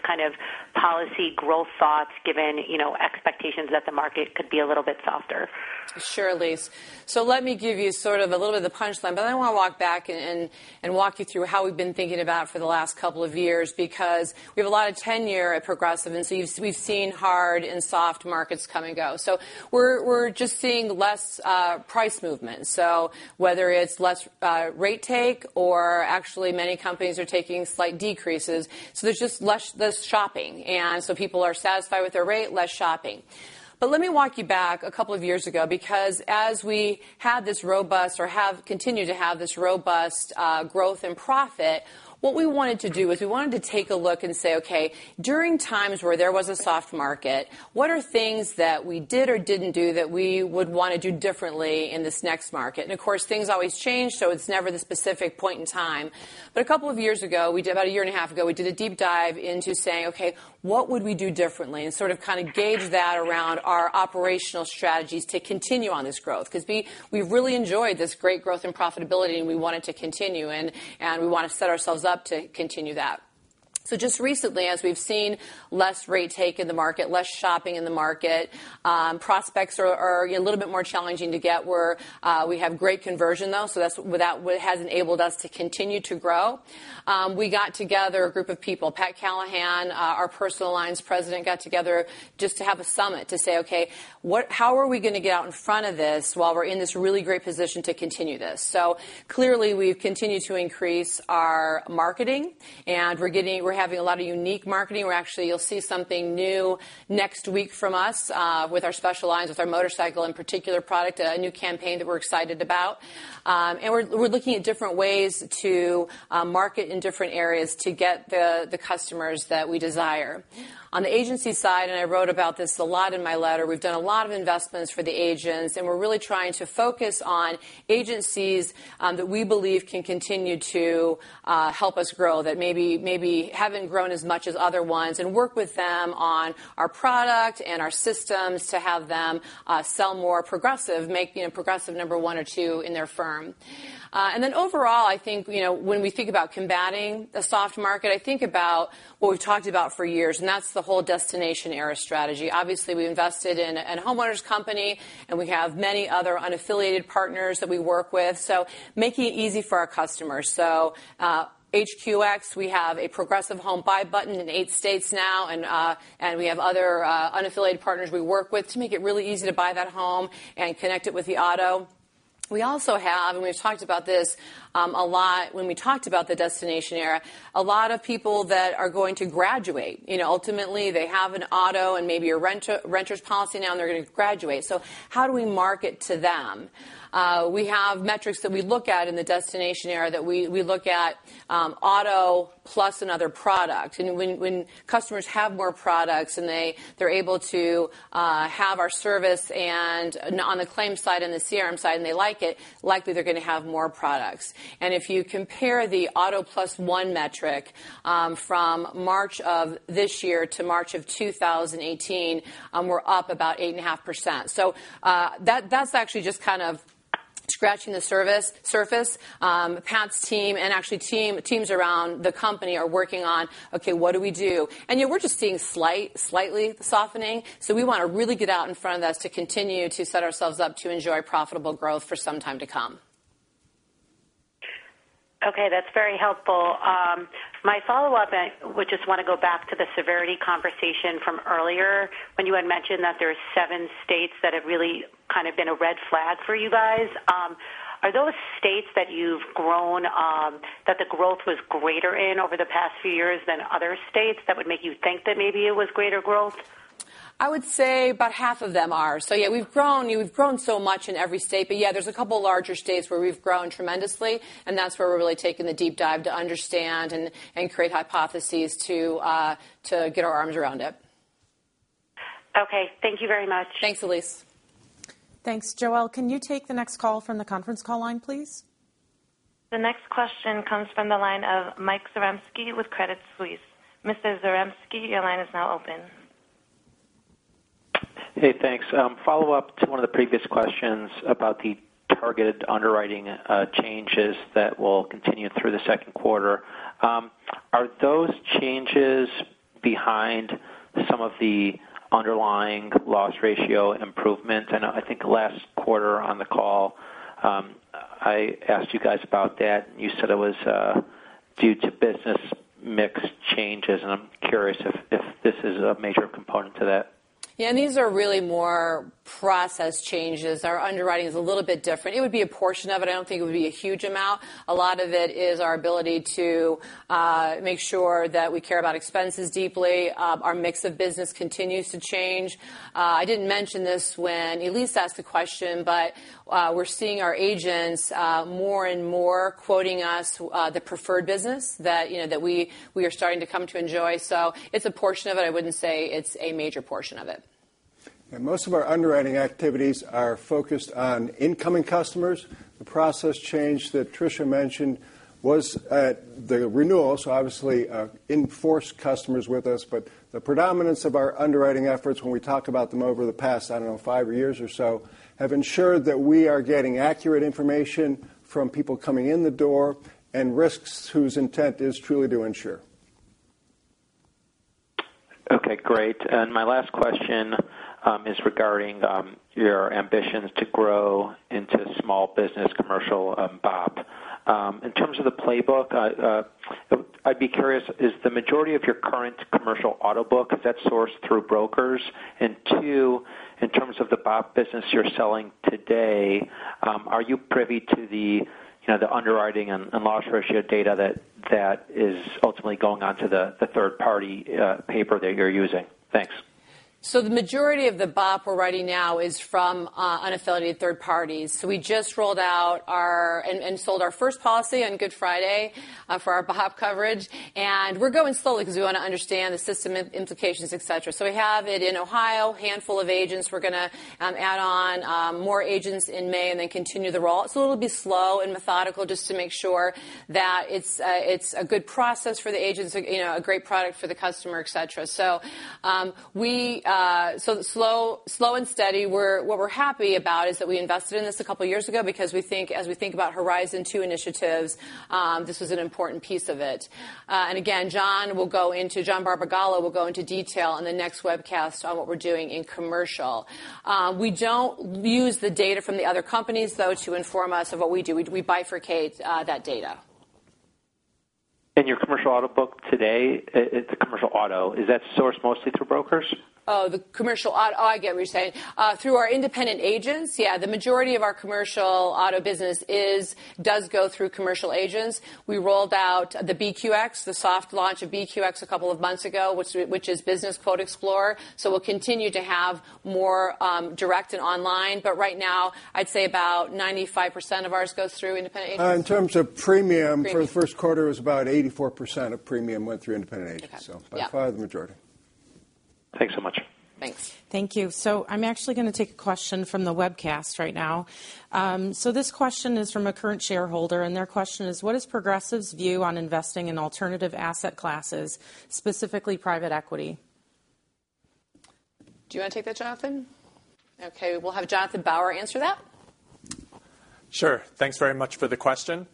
policy growth thoughts given expectations that the market could be a little bit softer. Sure, Elyse. Let me give you sort of a little bit of the punch line, I want to walk back and walk you through how we've been thinking about for the last couple of years, because we have a lot of tenure at Progressive, we've seen hard and soft markets come and go. We're just seeing less price movement. Whether it's less rate take or actually many companies are taking slight decreases, there's just less shopping, people are satisfied with their rate, less shopping. Let me walk you back a couple of years ago, because as we had this robust or have continued to have this robust growth and profit, what we wanted to do is we wanted to take a look and say, okay, during times where there was a soft market, what are things that we did or didn't do that we would want to do differently in this next market? Of course, things always change, it's never the specific point in time. A couple of years ago, about a year and a half ago, we did a deep dive into saying, okay, what would we do differently? Sort of gauge that around our operational strategies to continue on this growth because we've really enjoyed this great growth and profitability and we want it to continue, and we want to set ourselves up to continue that. Just recently, as we've seen less rate take in the market, less shopping in the market, prospects are a little bit more challenging to get where we have great conversion, though, that has enabled us to continue to grow. We got together a group of people, Patrick Callahan our personal lines president, got together just to have a summit to say, okay, how are we going to get out in front of this while we're in this really great position to continue this? Clearly, we've continued to increase our marketing, we're having a lot of unique marketing where actually you'll see something new next week from us with our specialized, with our motorcycle in particular product, a new campaign that we're excited about. We're looking at different ways to market in different areas to get the customers that we desire. On the agency side, I wrote about this a lot in my letter, we've done a lot of investments for the agents, we're really trying to focus on agencies that we believe can continue to help us grow, that maybe haven't grown as much as other ones and work with them on our product and our systems to have them sell more Progressive, making Progressive number one or two in their firm. Overall, I think, when we think about combating the soft market, I think about what we've talked about for years, that's the whole destination era strategy. Obviously, we invested in a homeowner's company, we have many other unaffiliated partners that we work with, making it easy for our customers. HQX, we have a Progressive home buy button in eight states now, and we have other unaffiliated partners we work with to make it really easy to buy that home and connect it with the auto. We also have, and we've talked about this a lot when we talked about the Destination Era, a lot of people that are going to graduate. Ultimately, they have an auto and maybe a renters policy now and they're going to graduate. How do we market to them? We have metrics that we look at in the Destination Era that we look at auto plus another product. When customers have more products and they're able to have our service and on the claims side and the CRM side, and they like it, likely they're going to have more products. Okay. If you compare the auto plus one metric from March of this year to March of 2018, we're up about 8.5%. That's actually just kind of scratching the surface. Pat's team and actually teams around the company are working on, okay, what do we do? We're just seeing slightly softening. We want to really get out in front of this to continue to set ourselves up to enjoy profitable growth for some time to come. Okay. That's very helpful. My follow-up, I would just want to go back to the severity conversation from earlier when you had mentioned that there's seven states that have really kind of been a red flag for you guys. Are those states that you've grown, that the growth was greater in over the past few years than other states that would make you think that maybe it was greater growth? I would say about half of them are. Yeah, we've grown so much in every state, but yeah, there's a couple larger states where we've grown tremendously, and that's where we're really taking the deep dive to understand and create hypotheses to get our arms around it. Okay. Thank you very much. Thanks, Elyse. Thanks. Joelle, can you take the next call from the conference call line, please? The next question comes from the line of Mike Zaremski with Credit Suisse. Mr. Zaremski, your line is now open. Hey, thanks. Follow-up to one of the previous questions about the targeted underwriting changes that will continue through the second quarter. Are those changes behind some of the underlying loss ratio improvements? I think last quarter on the call, I asked you guys about that, and you said it was due to business mix changes, and I'm curious if this is a major component to that. These are really more process changes. Our underwriting is a little bit different. It would be a portion of it. I don't think it would be a huge amount. A lot of it is our ability to make sure that we care about expenses deeply. Our mix of business continues to change. I didn't mention this when Elyse asked the question, but we're seeing our agents more and more quoting us the preferred business that we are starting to come to enjoy. It's a portion of it. I wouldn't say it's a major portion of it. Most of our underwriting activities are focused on incoming customers. The process change that Tricia mentioned was at the renewal, obviously in-force customers with us, but the predominance of our underwriting efforts when we talk about them over the past, I don't know, five years or so, have ensured that we are getting accurate information from people coming in the door and risks whose intent is truly to insure. Okay, great. My last question is regarding your ambitions to grow into small business commercial BOP. In terms of the playbook, I'd be curious, is the majority of your current commercial auto book, is that sourced through brokers? 2, in terms of the BOP business you're selling today, are you privy to the underwriting and loss ratio data that is ultimately going on to the third party paper that you're using? Thanks. The majority of the BOP we're writing now is from unaffiliated third parties. We just rolled out and sold our first policy on Good Friday for our BOP coverage, and we're going slowly because we want to understand the system implications, et cetera. We have it in Ohio, handful of agents. We're going to add on more agents in May and then continue the roll. It'll be slow and methodical just to make sure that it's a good process for the agents, a great product for the customer, et cetera. Slow and steady. What we're happy about is that we invested in this a couple of years ago because as we think about Horizon Two initiatives, this was an important piece of it. Again, John Barbagallo will go into detail in the next webcast on what we're doing in commercial. We don't use the data from the other companies, though, to inform us of what we do. We bifurcate that data. Your commercial auto book today, the commercial auto, is that sourced mostly through brokers? The commercial auto. I get what you're saying. Through our independent agents, the majority of our commercial auto business does go through commercial agents. We rolled out the BQX, the soft launch of BQX a couple of months ago, which is Business Quote Explorer. We'll continue to have more direct and online, but right now, I'd say about 95% of ours goes through independent agents. In terms of premium for the first quarter, it was about 84% of premium went through independent agents. Okay. Yep. By far the majority. Thanks so much. Thanks. Thank you. I'm actually going to take a question from the webcast right now. This question is from a current shareholder, and their question is, what is Progressive's view on investing in alternative asset classes, specifically private equity? Do you want to take that, Jonathan? Okay, we'll have Jonathan Bauer answer that. Sure. Thanks very much for the question.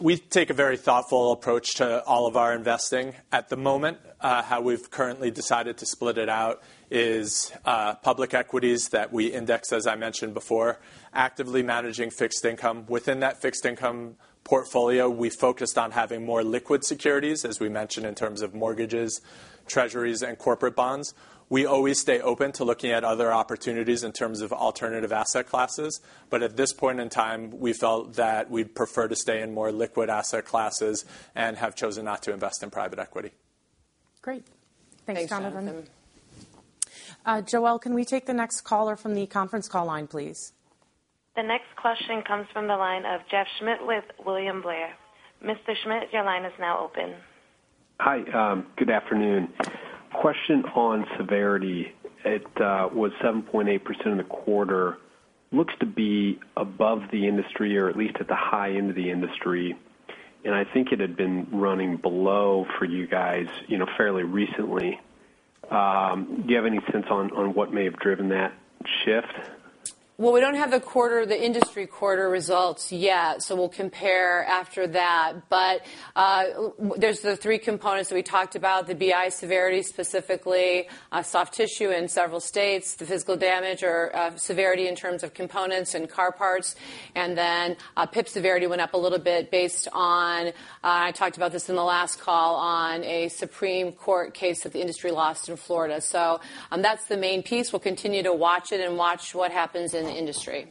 We take a very thoughtful approach to all of our investing. At the moment, how we've currently decided to split it out is public equities that we index, as I mentioned before, actively managing fixed income. Within that fixed income portfolio, we focused on having more liquid securities, as we mentioned, in terms of mortgages, treasuries, and corporate bonds. We always stay open to looking at other opportunities in terms of alternative asset classes, but at this point in time, we felt that we'd prefer to stay in more liquid asset classes and have chosen not to invest in private equity. Great. Thanks, Jonathan. Thanks, Jonathan. Joelle, can we take the next caller from the conference call line, please? The next question comes from the line of Jeff Schmitt with William Blair. Mr. Schmitt, your line is now open. Hi. Good afternoon. Question on severity. It was 7.8% in the quarter. Looks to be above the industry or at least at the high end of the industry, and I think it had been running below for you guys fairly recently. Do you have any sense on what may have driven that shift? Well, we don't have the industry quarter results yet, so we'll compare after that. There's the three components that we talked about, the BI severity, specifically soft tissue in several states, the physical damage or severity in terms of components and car parts, and then PIP severity went up a little bit based on, I talked about this in the last call, on a Supreme Court case that the industry lost in Florida. That's the main piece. We'll continue to watch it and watch what happens in the industry.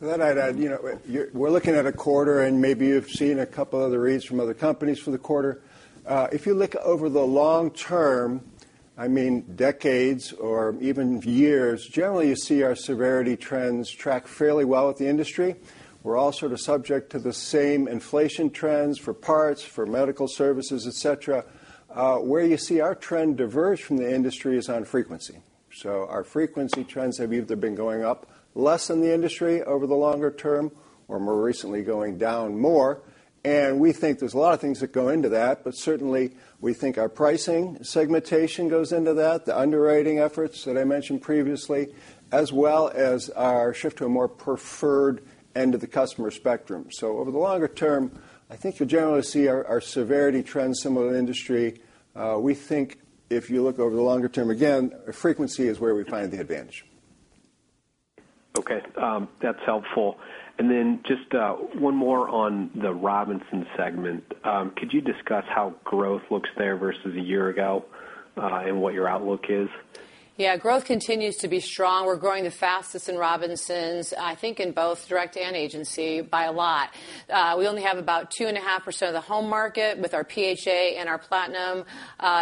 We're looking at a quarter, and maybe you've seen a couple other reads from other companies for the quarter. If you look over the long term, I mean decades or even years, generally you see our severity trends track fairly well with the industry. We're all sort of subject to the same inflation trends for parts, for medical services, et cetera. Where you see our trend diverge from the industry is on frequency. Our frequency trends have either been going up less than the industry over the longer term or more recently going down more, and we think there's a lot of things that go into that, but certainly we think our pricing segmentation goes into that, the underwriting efforts that I mentioned previously, as well as our shift to a more preferred end of the customer spectrum. Over the longer term, I think you generally see our severity trends similar to industry. We think if you look over the longer term, again, frequency is where we find the advantage. Okay. That's helpful. Then just one more on the Robinsons segment. Could you discuss how growth looks there versus a year ago, and what your outlook is? Yeah. Growth continues to be strong. We're growing the fastest in Robinsons, I think in both direct and agency by a lot. We only have about 2.5% of the home market with our PHA and our platinum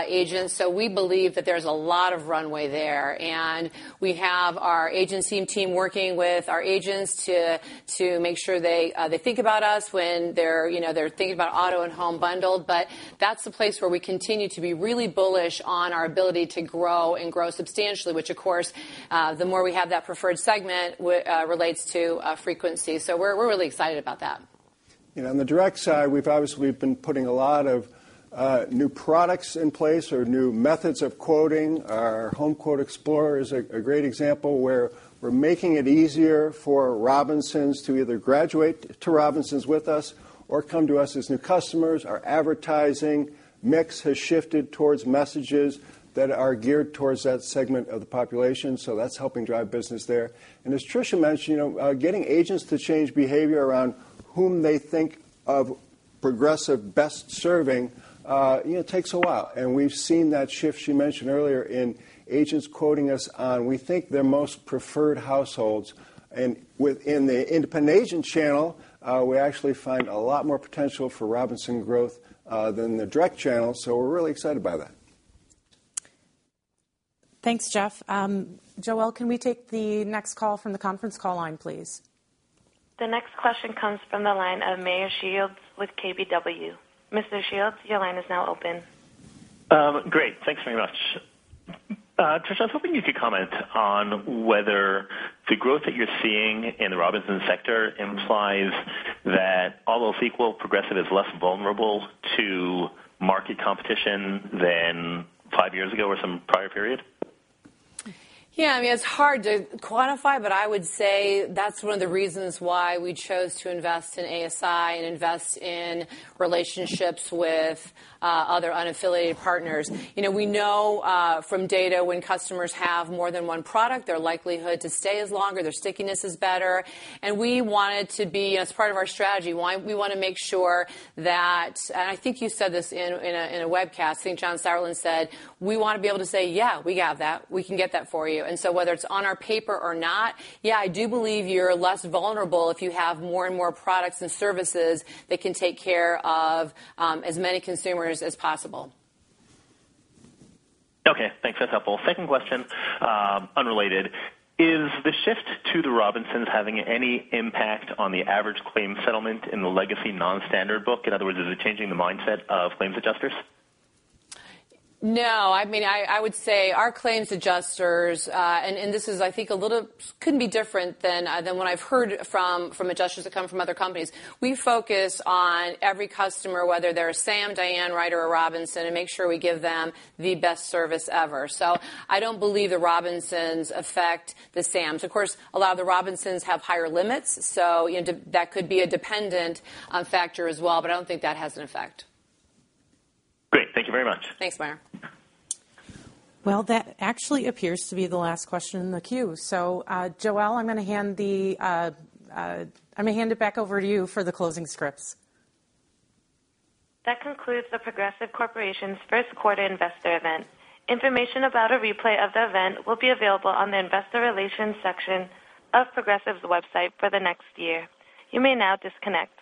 agents, so we believe that there's a lot of runway there. We have our agency team working with our agents to make sure they think about us when they're thinking about auto and home bundle, but that's the place where we continue to be really bullish on our ability to grow and grow substantially, which of course, the more we have that preferred segment relates to frequency. We're really excited about that. On the direct side, we've obviously been putting a lot of new products in place or new methods of quoting. Our Home Quote Explorer is a great example where we're making it easier for Robinsons to either graduate to Robinsons with us or come to us as new customers. Our advertising mix has shifted towards messages that are geared towards that segment of the population, so that's helping drive business there. As Tricia mentioned, getting agents to change behavior around whom they think of Progressive best serving takes a while. We've seen that shift she mentioned earlier in agents quoting us on, we think, their most preferred households. Within the independent agent channel, we actually find a lot more potential for Robinson growth than the direct channel, so we're really excited by that. Thanks, Jeff. Joelle, can we take the next call from the conference call line, please? The next question comes from the line of Meyer Shields with KBW. Mr. Shields, your line is now open. Great. Thanks very much. Tricia, I was hoping you could comment on whether the growth that you're seeing in the Robinsons sector implies that all else equal, Progressive is less vulnerable to market competition than five years ago or some prior period. It's hard to quantify, but I would say that's one of the reasons why we chose to invest in ASI and invest in relationships with other unaffiliated partners. We know from data when customers have more than one product, their likelihood to stay is longer, their stickiness is better. We want it to be as part of our strategy, we want to make sure that, I think you said this in a webcast, I think John Sauerland said, we want to be able to say, "Yeah, we have that. We can get that for you." Whether it's on our paper or not, I do believe you're less vulnerable if you have more and more products and services that can take care of as many consumers as possible. Okay, thanks. That's helpful. Second question, unrelated. Is the shift to the Robinsons having any impact on the average claim settlement in the legacy non-standard book? In other words, is it changing the mindset of claims adjusters? I would say our claims adjusters, and this is, couldn't be different than what I've heard from adjusters that come from other companies. We focus on every customer, whether they're a Sam, Diane, Wrights or Robinson, and make sure we give them the best service ever. I don't believe the Robinsons affect the Sams. Of course, a lot of the Robinsons have higher limits, so that could be a dependent factor as well, but I don't think that has an effect. Thank you very much. Thanks, Meyer. Well, that actually appears to be the last question in the queue. Joelle, I'm going to hand it back over to you for the closing scripts. That concludes The Progressive Corporation's first quarter investor event. Information about a replay of the event will be available on the investor relations section of Progressive's website for the next year. You may now disconnect.